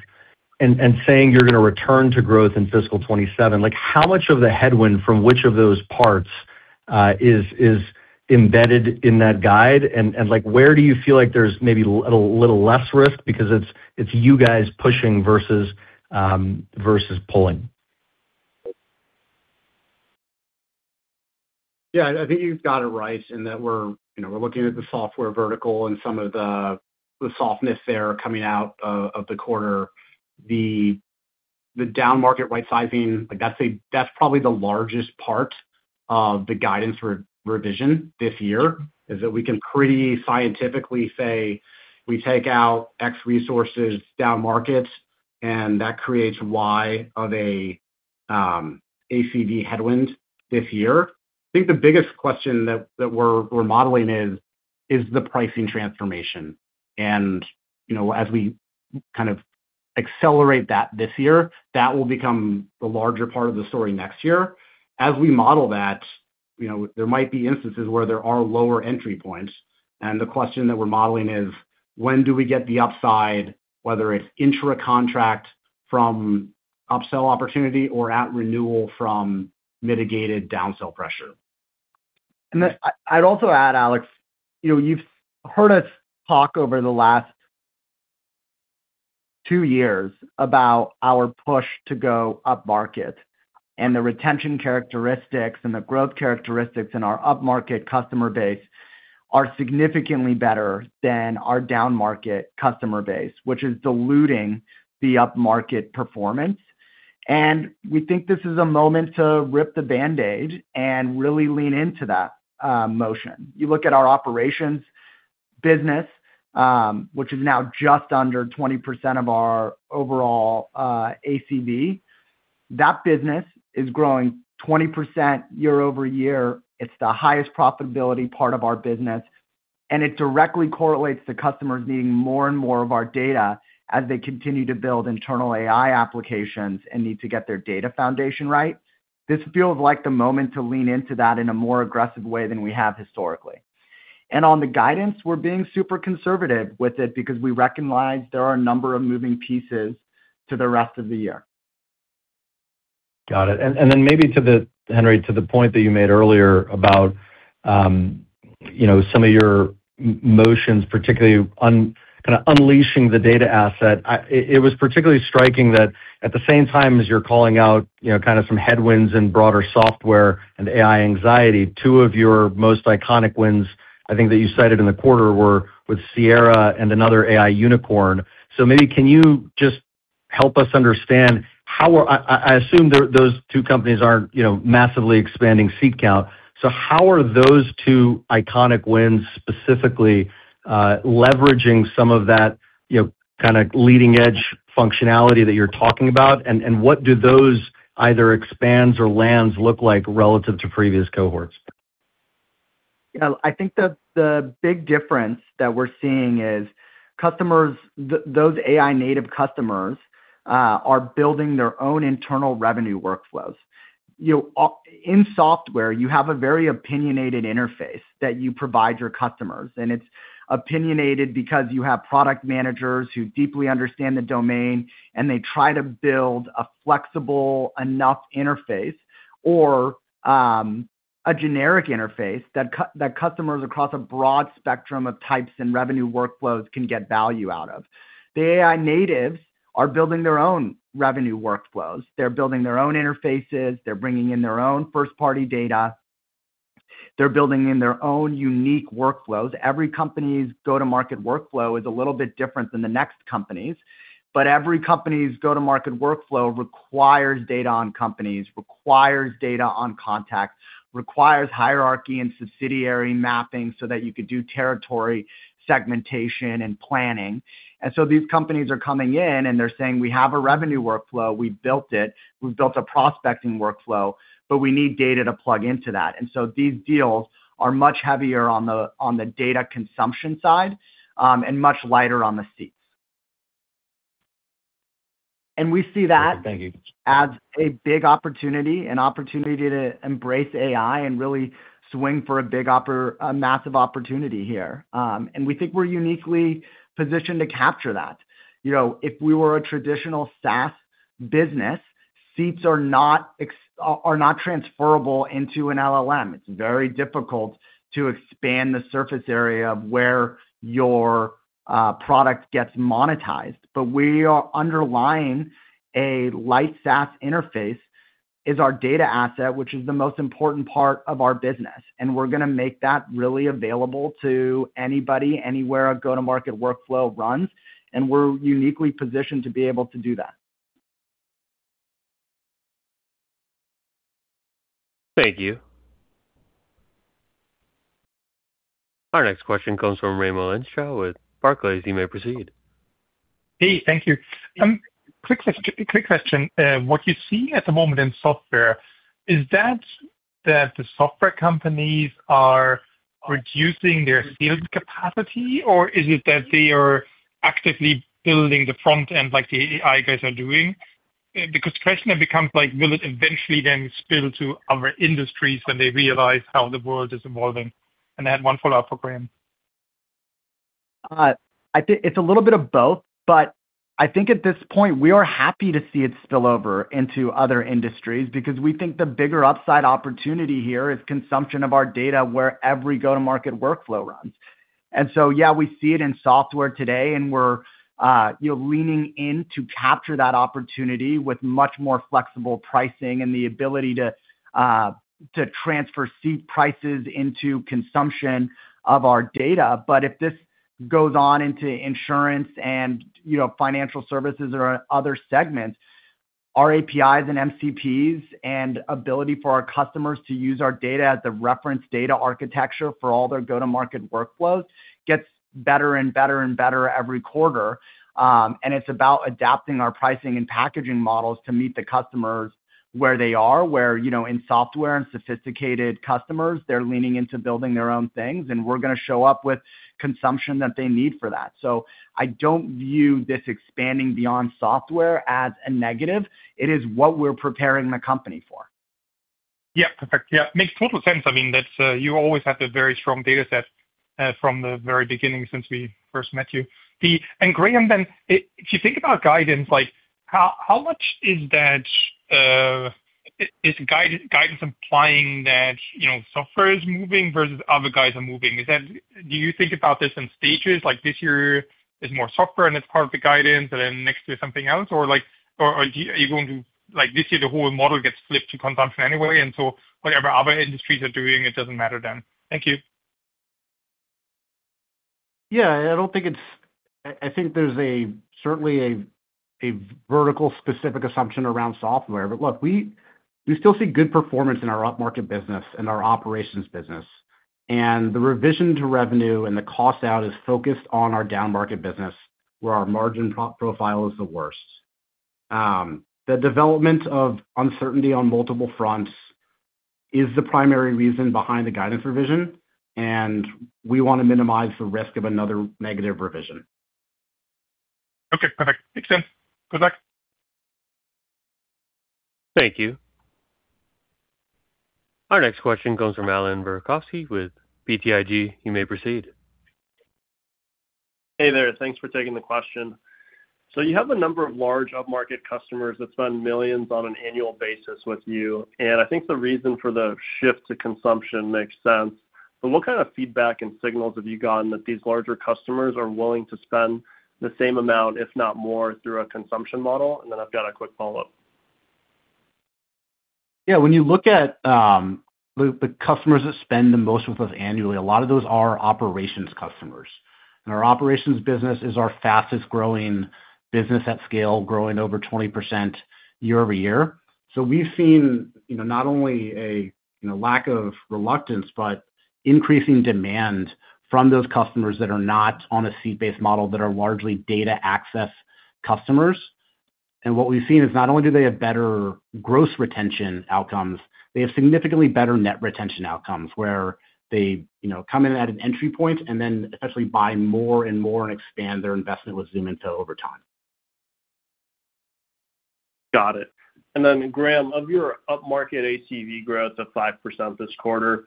and saying you're gonna return to growth in fiscal 2027, like how much of the headwind from which of those parts is embedded in that guide? Where do you feel like there's maybe a little less risk because it's you guys pushing versus pulling? Yeah. I think you've got it right in that we're, you know, we're looking at the software vertical and some of the softness there coming out of the quarter. The downmarket right-sizing, like that's probably the largest part of the guidance re-revision this year, is that we can pretty scientifically say we take out X resources downmarket, and that creates Y of a ACV headwind this year. I think the biggest question that we're modeling is the pricing transformation. You know, as we kind of accelerate that this year, that will become the larger part of the story next year. As we model that, you know, there might be instances where there are lower entry points, and the question that we're modeling is: when do we get the upside, whether it's intra-contract from upsell opportunity or at renewal from mitigated downsell pressure. I'd also add, Alex, you know, you've heard us talk over the last two years about our push to go up-market, and the retention characteristics and the growth characteristics in our up-market customer base are significantly better than our down-market customer base, which is diluting the up-market performance. We think this is a moment to rip the Band-Aid and really lean into that motion. You look at our operations business, which is now just under 20% of our overall ACV, that business is growing 20% year-over-year. It's the highest profitability part of our business, it directly correlates to customers needing more and more of our data as they continue to build internal AI applications and need to get their data foundation right. This feels like the moment to lean into that in a more aggressive way than we have historically. On the guidance, we're being super conservative with it because we recognize there are a number of moving pieces to the rest of the year. Got it. Maybe to the, Henry, to the point that you made earlier about, you know, some of your motions, particularly on kinda unleashing the data asset. It was particularly striking that at the same time as you're calling out, you know, kinda some headwinds in broader software and AI anxiety, two of your most iconic wins, I think that you cited in the quarter, were with Sierra and another AI unicorn. Maybe can you just help us understand how are I assume those two companies aren't, you know, massively expanding seat count. How are those two iconic wins specifically leveraging some of that, you know, kinda leading-edge functionality that you're talking about, and what do those either expands or lands look like relative to previous cohorts? You know, I think the big difference that we're seeing is customers, those AI native customers, are building their own internal revenue workflows. You know, in software, you have a very opinionated interface that you provide your customers, and it's opinionated because you have product managers who deeply understand the domain, and they try to build a flexible enough interface or a generic interface that customers across a broad spectrum of types and revenue workflows can get value out of. The AI natives are building their own revenue workflows. They're building their own interfaces. They're bringing in their own first-party data. They're building in their own unique workflows. Every company's go-to-market workflow is a little bit different than the next company's, but every company's go-to-market workflow requires data on companies, requires data on contacts, requires hierarchy and subsidiary mapping so that you could do territory segmentation and planning. These companies are coming in, and they're saying, "We have a revenue workflow. We built it. We've built a prospecting workflow, but we need data to plug into that." These deals are much heavier on the data consumption side, and much lighter on the seats. Thank you. as a big opportunity, an opportunity to embrace AI and really swing for a massive opportunity here. We think we're uniquely positioned to capture that. You know, if we were a traditional SaaS business, seats are not transferable into an LLM. It's very difficult to expand the surface area of where your product gets monetized. We are underlying a light SaaS interface is our data asset, which is the most important part of our business. We're gonna make that really available to anybody, anywhere a go-to-market workflow runs. We're uniquely positioned to be able to do that. Thank you. Our next question comes from Raimo Lenschow with Barclays. You may proceed. Hey, thank you. Quick question. What you see at the moment in software, is that the software companies are reducing their sales capacity, or is it that they are actively building the front end like the AI guys are doing? The question then becomes like, will it eventually then spill to other industries when they realize how the world is evolving? I have one follow-up for Graham. I think it's a little bit of both, but I think at this point, we are happy to see it spill over into other industries because we think the bigger upside opportunity here is consumption of our data where every go-to-market workflow runs. So, yeah, we see it in software today, and we're, you know, leaning in to capture that opportunity with much more flexible pricing and the ability to transfer seat prices into consumption of our data. If this goes on into insurance and, you know, financial services or other segments, our APIs and MCPs and ability for our customers to use our data as the reference data architecture for all their go-to-market workflows Gets better and better and better every quarter, and it's about adapting our pricing and packaging models to meet the customers where they are. Where, you know, in software and sophisticated customers, they're leaning into building their own things, and we're gonna show up with consumption that they need for that. I don't view this expanding beyond software as a negative. It is what we're preparing the company for. Yeah. Perfect. Yeah. Makes total sense. I mean, that's, you always have the very strong data set from the very beginning since we first met you. Graham, if you think about guidance, like how much is that, is guidance implying that, you know, software is moving versus other guys are moving? Is that do you think about this in stages? Like this year is more software and it's part of the guidance, and then next year something else? Are you going to like this year, the whole model gets flipped to consumption anyway, and so whatever other industries are doing, it doesn't matter then. Thank you. Yeah. I think there's certainly a vertical specific assumption around software. Look, we still see good performance in our up-market business and our operations business. The revision to revenue and the cost out is focused on our down-market business where our margin profile is the worst. The development of uncertainty on multiple fronts is the primary reason behind the guidance revision, and we wanna minimize the risk of another negative revision. Okay. Perfect. Makes sense. Good luck. Thank you. Our next question comes from Allan M. Verkhovski with BTIG. You may proceed. Hey there. Thanks for taking the question. You have a number of large up-market customers that spend millions on an annual basis with you. I think the reason for the shift to consumption makes sense. What kind of feedback and signals have you gotten that these larger customers are willing to spend the same amount, if not more, through a consumption model? I've got a quick follow-up. Yeah. When you look at the customers that spend the most with us annually, a lot of those are Operations customers. Our Operations business is our fastest-growing business at scale, growing over 20% year-over-year. We've seen, you know, not only a, you know, lack of reluctance, but increasing demand from those customers that are not on a seat-based model, that are largely data access customers. What we've seen is not only do they have better gross retention outcomes, they have significantly better net retention outcomes. Where they, you know, come in at an entry point and then essentially buy more and more and expand their investment with ZoomInfo over time. Got it. Graham, of your up-market ACV growth of 5% this quarter,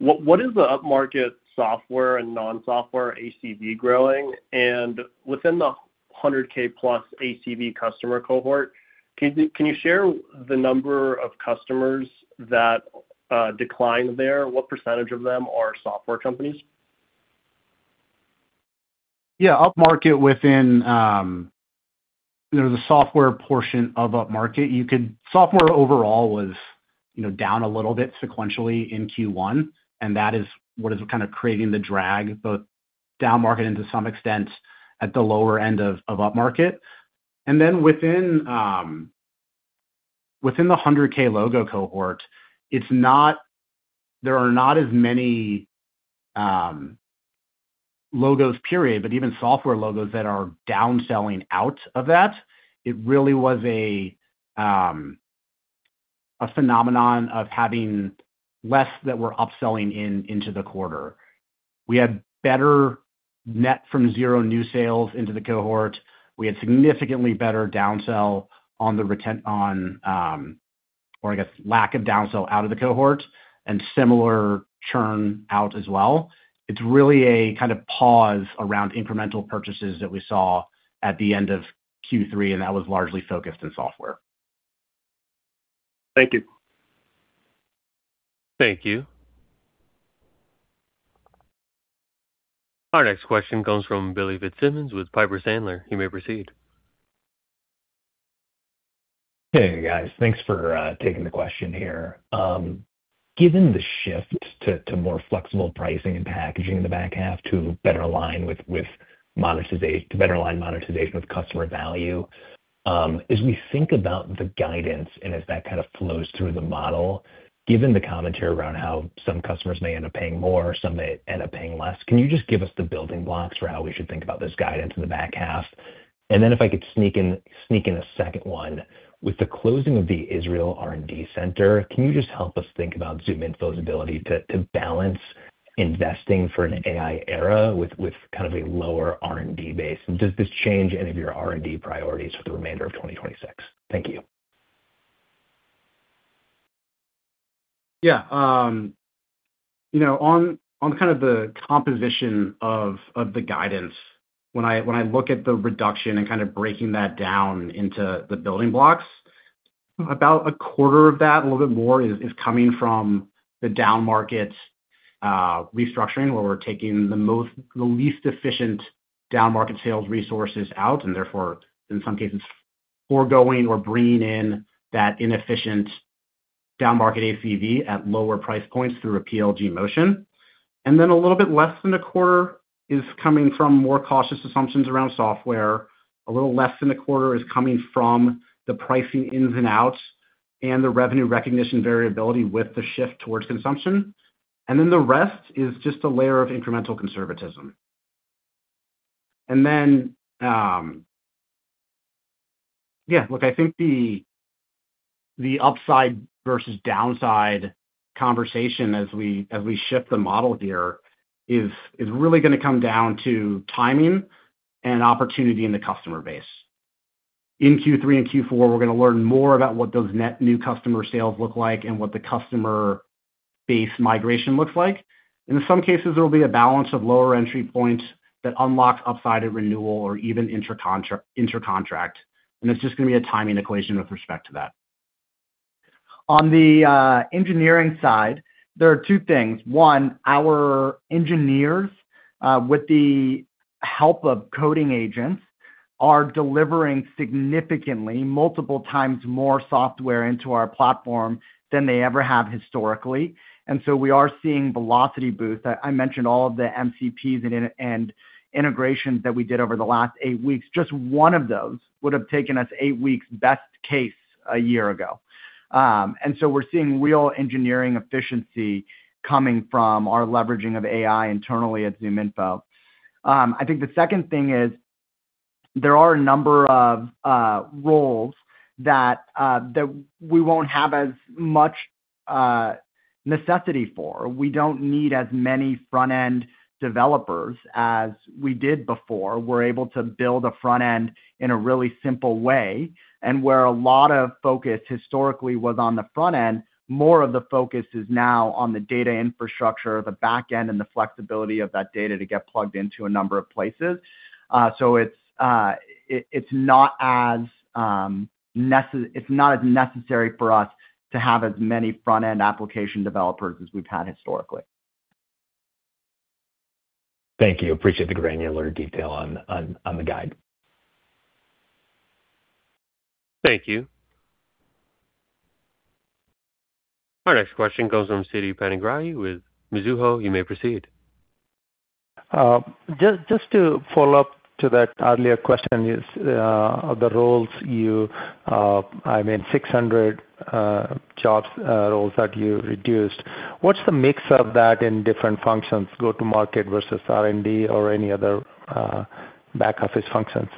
what is the up-market software and non-software ACV growing? Within the 100K plus ACV customer cohort, can you share the number of customers that decline there? What % of them are software companies? Up-market within, you know, the software portion of up-market, software overall was, you know, down a little bit sequentially in Q1. That is what is kind of creating the drag, both down-market and to some extent at the lower end of up-market. Within, within the 100K logo cohort, there are not as many logos period, but even software logos that are down-selling out of that. It really was a phenomenon of having less that were upselling into the quarter. We had better net from zero new sales into the cohort. We had significantly better down-sell on, or I guess lack of down-sell out of the cohort. Similar churn out as well. It's really a kind of pause around incremental purchases that we saw at the end of Q3, and that was largely focused in software. Thank you. Thank you. Our next question comes from Brent Bracelin with Piper Sandler. You may proceed. Hey guys. Thanks for taking the question here. Given the shift to more flexible pricing and packaging in the back half to better align with, to better align monetization with customer value, as we think about the guidance and as that kind of flows through the model, given the commentary around how some customers may end up paying more, some may end up paying less, can you just give us the building blocks for how we should think about this guidance in the back half? If I could sneak in a second one. With the closing of the Israel R&D center, can you just help us think about ZoomInfo's ability to balance investing for an AI era with kind of a lower R&D base? Does this change any of your R&D priorities for the remainder of 2026? Thank you. Yeah. You know, on kind of the composition of the guidance, when I look at the reduction and kind of breaking that down into the building blocks, about a quarter of that, a little bit more is coming from the down-market restructuring, where we're taking the least efficient down-market sales resources out and therefore in some cases foregoing or bringing in that inefficient down-market ACV at lower price points through a PLG motion. A little bit less than a quarter is coming from more cautious assumptions around software. A little less than a quarter is coming from the pricing ins and outs and the revenue recognition variability with the shift towards consumption. The rest is just a layer of incremental conservatism. Yeah, look, I think the upside versus downside conversation as we, as we shift the model here is really gonna come down to timing and opportunity in the customer base. In Q3 and Q4, we're gonna learn more about what those net new customer sales look like and what the customer base migration looks like. In some cases, there'll be a balance of lower entry points that unlock upside of renewal or even intercontract, and it's just gonna be a timing equation with respect to that. On the engineering side, there are two things. One, our engineers, with the help of coding agents, are delivering significantly multiple times more software into our platform than they ever have historically. We are seeing velocity boost. I mentioned all of the MCPs and integrations that we did over the last eight weeks. Just one of those would have taken us eight weeks, best case, a year ago. We're seeing real engineering efficiency coming from our leveraging of AI internally at ZoomInfo. I think the second thing is there are a number of roles that we won't have as much necessity for. We don't need as many front-end developers as we did before. We're able to build a front end in a really simple way. Where a lot of focus historically was on the front end, more of the focus is now on the data infrastructure, the back end, and the flexibility of that data to get plugged into a number of places. It's not as necessary for us to have as many front-end application developers as we've had historically. Thank you. Appreciate the granular detail on the guide. Thank you. Our next question comes from Siti Panigrahi with Mizuho. You may proceed. Just to follow up to that earlier question is, I mean, 600 jobs roles that you reduced, what's the mix of that in different functions, go-to-market versus R&D or any other back office functions?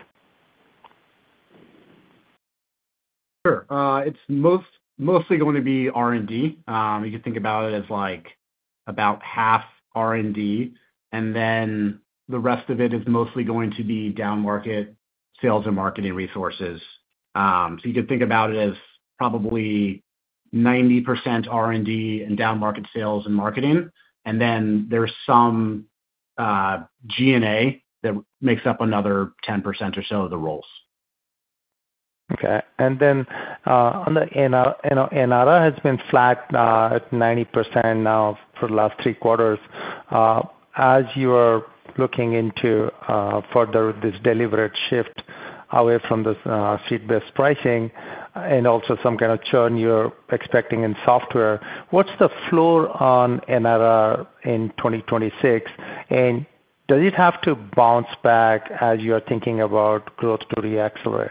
Sure. It's mostly going to be R&D. You can think about it as like about half R&D, the rest of it is mostly going to be down-market sales and marketing resources. You could think about it as probably 90% R&D and down-market sales and marketing. There's some G&A that makes up another 10% or so of the roles. Okay. NRR has been flat at 90% now for the last three quarters. As you are looking into further this deliberate shift away from this seat-based pricing and also some kinda churn you're expecting in software, what's the floor on NRR in 2026? Does it have to bounce back as you're thinking about growth to re-accelerate?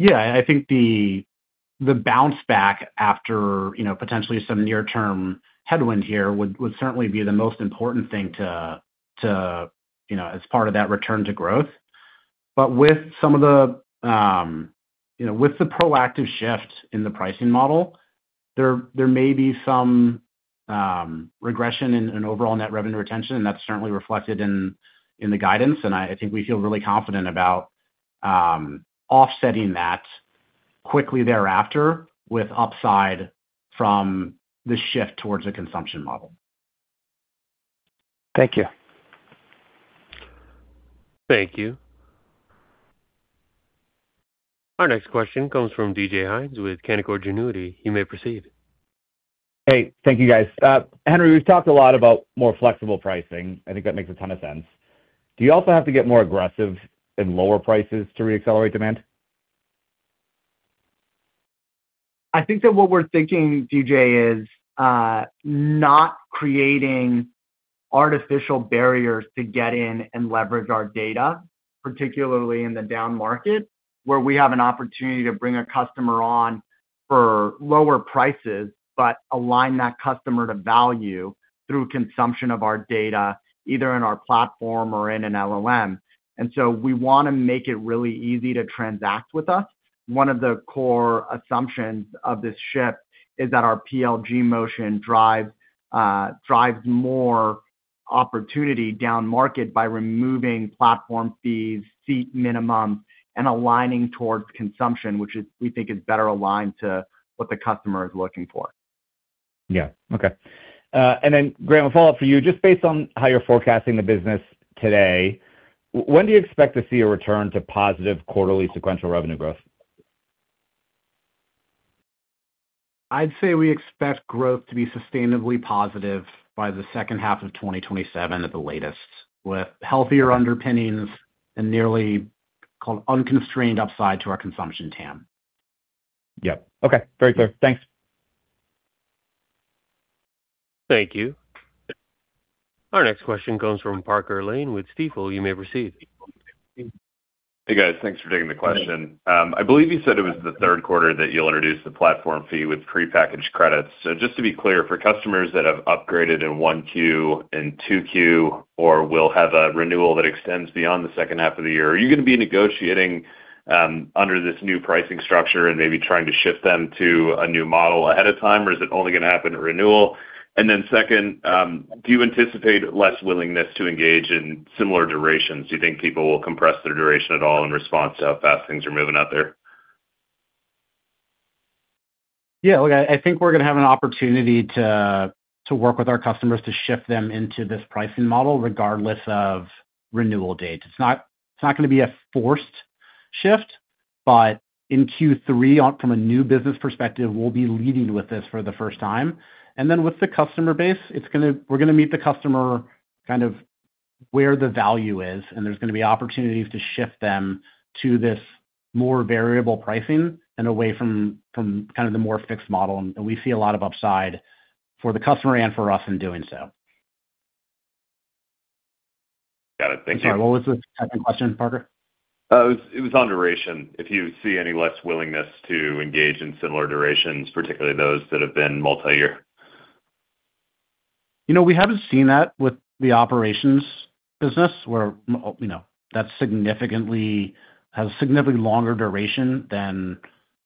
Yeah. I think the bounce back after, you know, potentially some near-term headwind here would certainly be the most important thing to, you know, as part of that return to growth. With some of the, you know, with the proactive shift in the pricing model, there may be some regression in overall net revenue retention, and that's certainly reflected in the guidance. I think we feel really confident about offsetting that quickly thereafter with upside from the shift towards the consumption model. Thank you. Thank you. Our next question comes from David Hynes with Canaccord Genuity. You may proceed. Hey. Thank you, guys. Henry, we've talked a lot about more flexible pricing. I think that makes a ton of sense. Do you also have to get more aggressive in lower prices to re-accelerate demand? I think that what we're thinking, DJ, is not creating artificial barriers to get in and leverage our data, particularly in the down market, where we have an opportunity to bring a customer on for lower prices, but align that customer to value through consumption of our data, either in our platform or in an LLM. We wanna make it really easy to transact with us. One of the core assumptions of this shift is that our PLG motion drive drives more opportunity down market by removing platform fees, seat minimum, and aligning towards consumption, which we think is better aligned to what the customer is looking for. Yeah. Okay. Then Graham, a follow-up for you. Just based on how you're forecasting the business today, when do you expect to see a return to positive quarterly sequential revenue growth? I'd say we expect growth to be sustainably positive by the second half of 2027 at the latest, with healthier underpinnings and nearly called unconstrained upside to our consumption TAM. Yep. Okay. Very clear. Thanks. Thank you. Our next question comes from Parker Lane with Stifel. You may proceed. Hey, guys. Thanks for taking the question. I believe you said it was the third quarter that you'll introduce the platform fee with prepackaged credits. Just to be clear, for customers that have upgraded in 1Q and 2Q or will have a renewal that extends beyond the second half of the year, are you gonna be negotiating under this new pricing structure and maybe trying to shift them to a new model ahead of time, or is it only gonna happen at renewal? Second, do you anticipate less willingness to engage in similar durations? Do you think people will compress their duration at all in response to how fast things are moving out there? Yeah, look, I think we're gonna have an opportunity to work with our customers to shift them into this pricing model regardless of renewal dates. It's not gonna be a forced shift, but in Q3 from a new business perspective, we'll be leading with this for the first time. Then with the customer base, we're gonna meet the customer kind of where the value is, and there's gonna be opportunities to shift them to this more variable pricing and away from kind of the more fixed model, and we see a lot of upside for the customer and for us in doing so. Got it. Thank you. I'm sorry, what was the second question, Parker? It was on duration, if you see any less willingness to engage in similar durations, particularly those that have been multi-year. You know, we haven't seen that with the operations business where you know, that has significantly longer duration than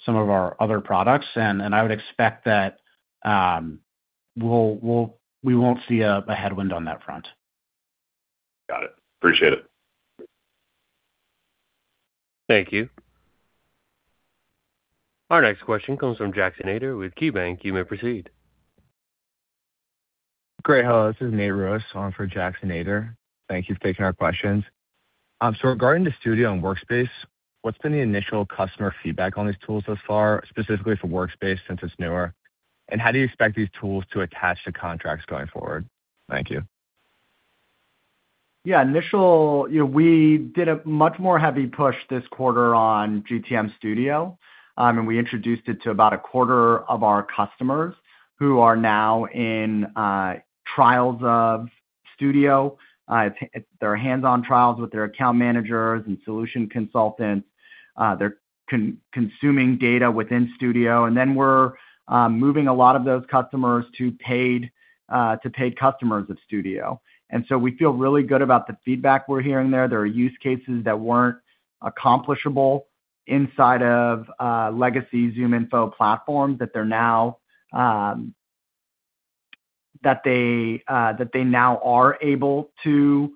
some of our other products. I would expect that we won't see a headwind on that front. Got it. Appreciate it. Thank you. Our next question comes from Jackson Ader with KeyBank. You may proceed. Great. Hello, this is Nathan Ross on for Jackson Ader. Thank you for taking our questions. Regarding the Studio and Workspace, what's been the initial customer feedback on these tools thus far, specifically for Workspace since it's newer, and how do you expect these tools to attach to contracts going forward? Thank you. Yeah. Initial, you know, we did a much more heavy push this quarter on GTM Studio. We introduced it to about a quarter of our customers who are now in trials of Studio. They're hands-on trials with their account managers and solution consultants. They're consuming data within Studio. Then we're moving a lot of those customers to paid customers of Studio. We feel really good about the feedback we're hearing there. There are use cases that weren't accomplishable inside of legacy ZoomInfo platform that they now are able to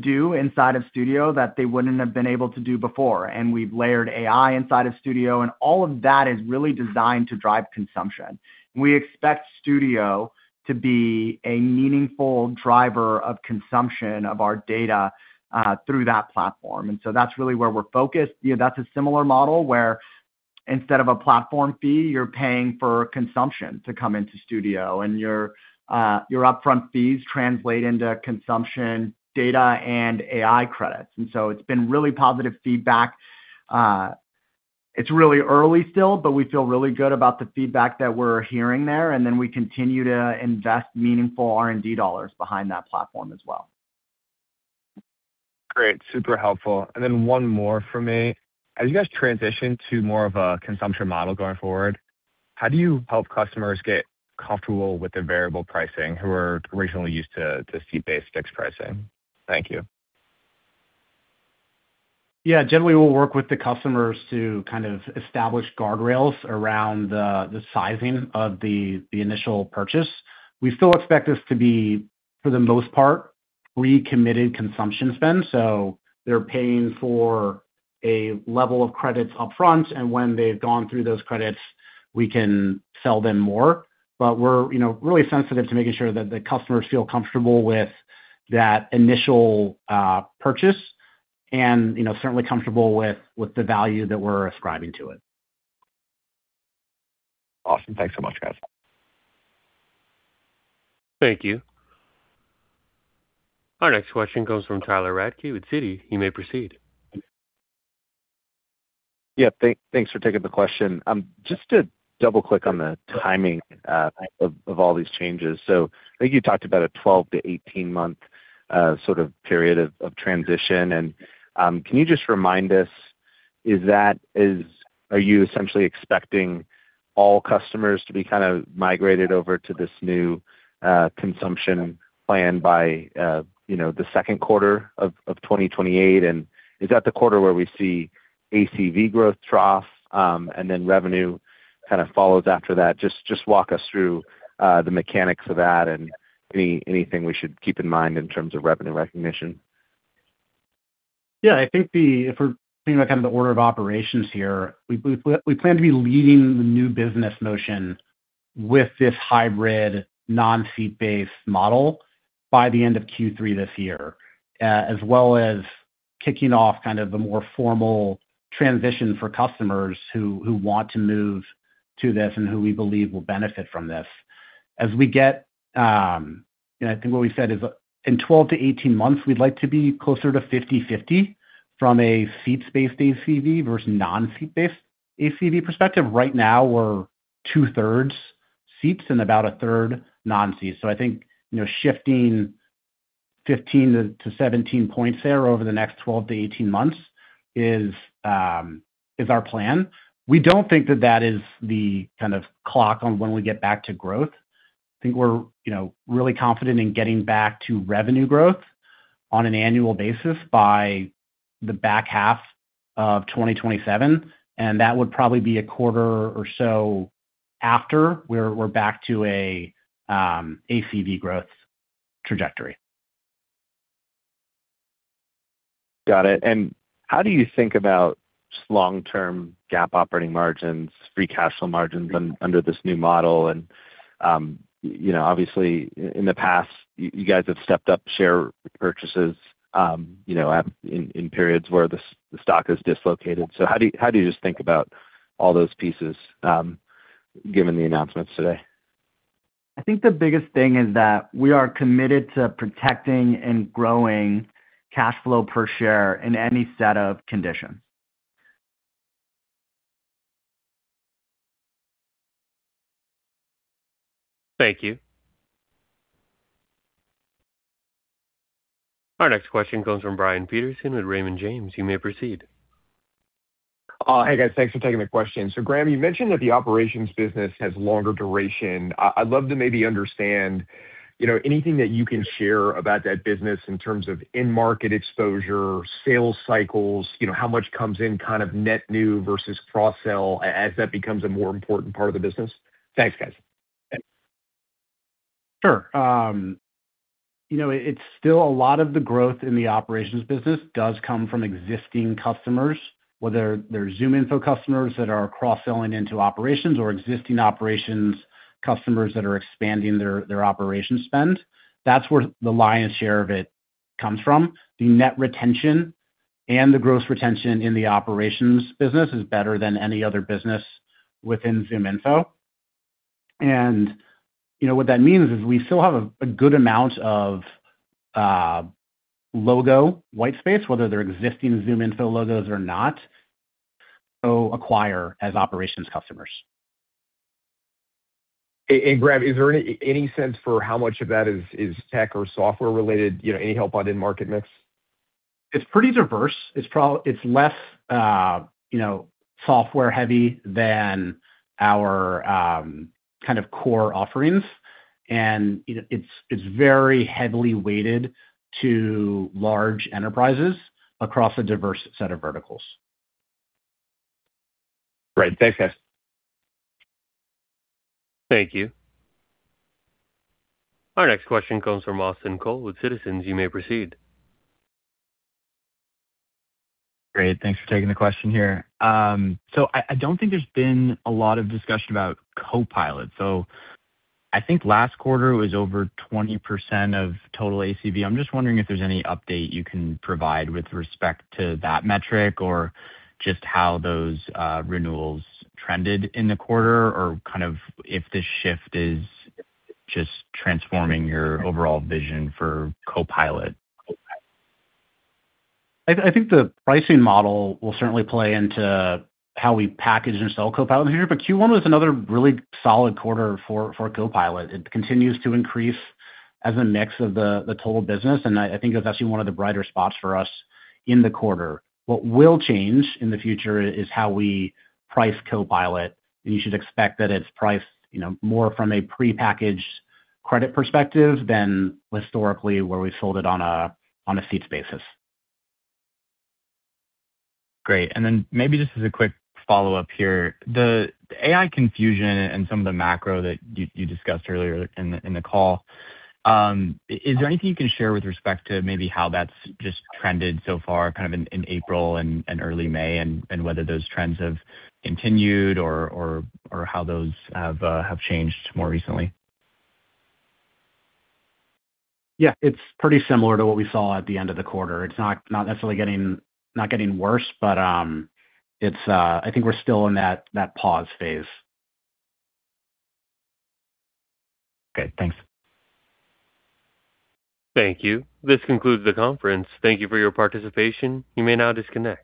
do inside of Studio that they wouldn't have been able to do before. We've layered AI inside of Studio, and all of that is really designed to drive consumption. We expect Studio to be a meaningful driver of consumption of our data, through that platform. That's really where we're focused. You know, that's a similar model where instead of a platform fee, you're paying for consumption to come into Studio, and your upfront fees translate into consumption data and AI credits. It's been really positive feedback. It's really early still, but we feel really good about the feedback that we're hearing there. We continue to invest meaningful R&D dollars behind that platform as well. Great. Super helpful. Then one more from me. As you guys transition to more of a consumption model going forward, how do you help customers get comfortable with the variable pricing who are originally used to seat-based fixed pricing? Thank you. Generally, we'll work with the customers to kind of establish guardrails around the sizing of the initial purchase. We still expect this to be, for the most part, recommitted consumption spend, so they're paying for a level of credits upfront, and when they've gone through those credits, we can sell them more. We're, you know, really sensitive to making sure that the customers feel comfortable with that initial purchase and, you know, certainly comfortable with the value that we're ascribing to it. Awesome. Thanks so much, guys. Thank you. Our next question comes from Tyler Radke with Citi. You may proceed. Thanks for taking the question. Just to double-click on the timing of all these changes. I think you talked about a 12-18 month sort of period of transition. Can you just remind us, are you essentially expecting all customers to be kind of migrated over to this new consumption plan by, you know, the second quarter of 2028? Is that the quarter where we see ACV growth trough, and then revenue kind of follows after that? Just walk us through the mechanics of that and anything we should keep in mind in terms of revenue recognition. Yeah. I think if we're thinking about kind of the order of operations here, we plan to be leading the new business motion with this hybrid non-seat-based model by the end of Q3 this year, as well as kicking off kind of a more formal transition for customers who want to move to this and who we believe will benefit from this. As we get, I think what we said is in 12-18 months, we'd like to be closer to 50/50 from a seat-based ACV versus non-seat-based ACV perspective. Right now, we're two-thirds seats and about a third non-seats. I think, you know, shifting 15-17 points there over the next 12-18 months is our plan. We don't think that that is the kind of clock on when we get back to growth. I think we're, you know, really confident in getting back to revenue growth on an annual basis by the back half of 2027, and that would probably be a quarter or so after we're back to a ACV growth trajectory. Got it. How do you think about long-term GAAP operating margins, free cash flow margins under this new model? You know, obviously in the past, you guys have stepped up share purchases, you know, in periods where the stock is dislocated. How do you just think about all those pieces given the announcements today? I think the biggest thing is that we are committed to protecting and growing cash flow per share in any set of conditions. Thank you. Our next question comes from Brian Peterson with Raymond James. You may proceed. Hey, guys. Thanks for taking the question. Graham, you mentioned that the operations business has longer duration. I'd love to maybe understand, you know, anything that you can share about that business in terms of end market exposure, sales cycles, you know, how much comes in kind of net new versus cross-sell as that becomes a more important part of the business. Thanks, guys. Sure. you know, it's still a lot of the growth in the operations business does come from existing customers, whether they're ZoomInfo customers that are cross-selling into operations or existing operations customers that are expanding their operations spend. That's where the lion's share of it comes from. The net retention and the gross retention in the operations business is better than any other business within ZoomInfo. You know what that means is we still have a good amount of logo white space, whether they're existing ZoomInfo logos or not, so acquire as operations customers. Graham, is there any sense for how much of that is tech or software related? You know, any help on end market mix? It's pretty diverse. It's less, you know, software heavy than our kind of core offerings. It's very heavily weighted to large enterprises across a diverse set of verticals. Great. Thanks, guys. Thank you. Our next question comes from Austin Cole with Citizens. You may proceed. Great. Thanks for taking the question here. I don't think there's been a lot of discussion about Copilot. I think last quarter was over 20% of total ACV. I'm just wondering if there's any update you can provide with respect to that metric or just how those renewals trended in the quarter or kind of if the shift is just transforming your overall vision for Copilot. I think the pricing model will certainly play into how we package and sell Copilot here, but Q1 was another really solid quarter for Copilot. It continues to increase as a mix of the total business, and I think it was actually one of the brighter spots for us in the quarter. What will change in the future is how we price Copilot, and you should expect that it's priced, you know, more from a prepackaged credit perspective than historically where we sold it on a seat basis. Great. Maybe just as a quick follow-up here. The AI confusion and some of the macro that you discussed earlier in the call, is there anything you can share with respect to maybe how that's just trended so far kind of in April and early May and whether those trends have continued or how those have changed more recently? Yeah. It's pretty similar to what we saw at the end of the quarter. It's not necessarily getting worse. I think we're still in that pause phase. Okay. Thanks. Thank you. This concludes the conference. Thank you for your participation. You may now disconnect.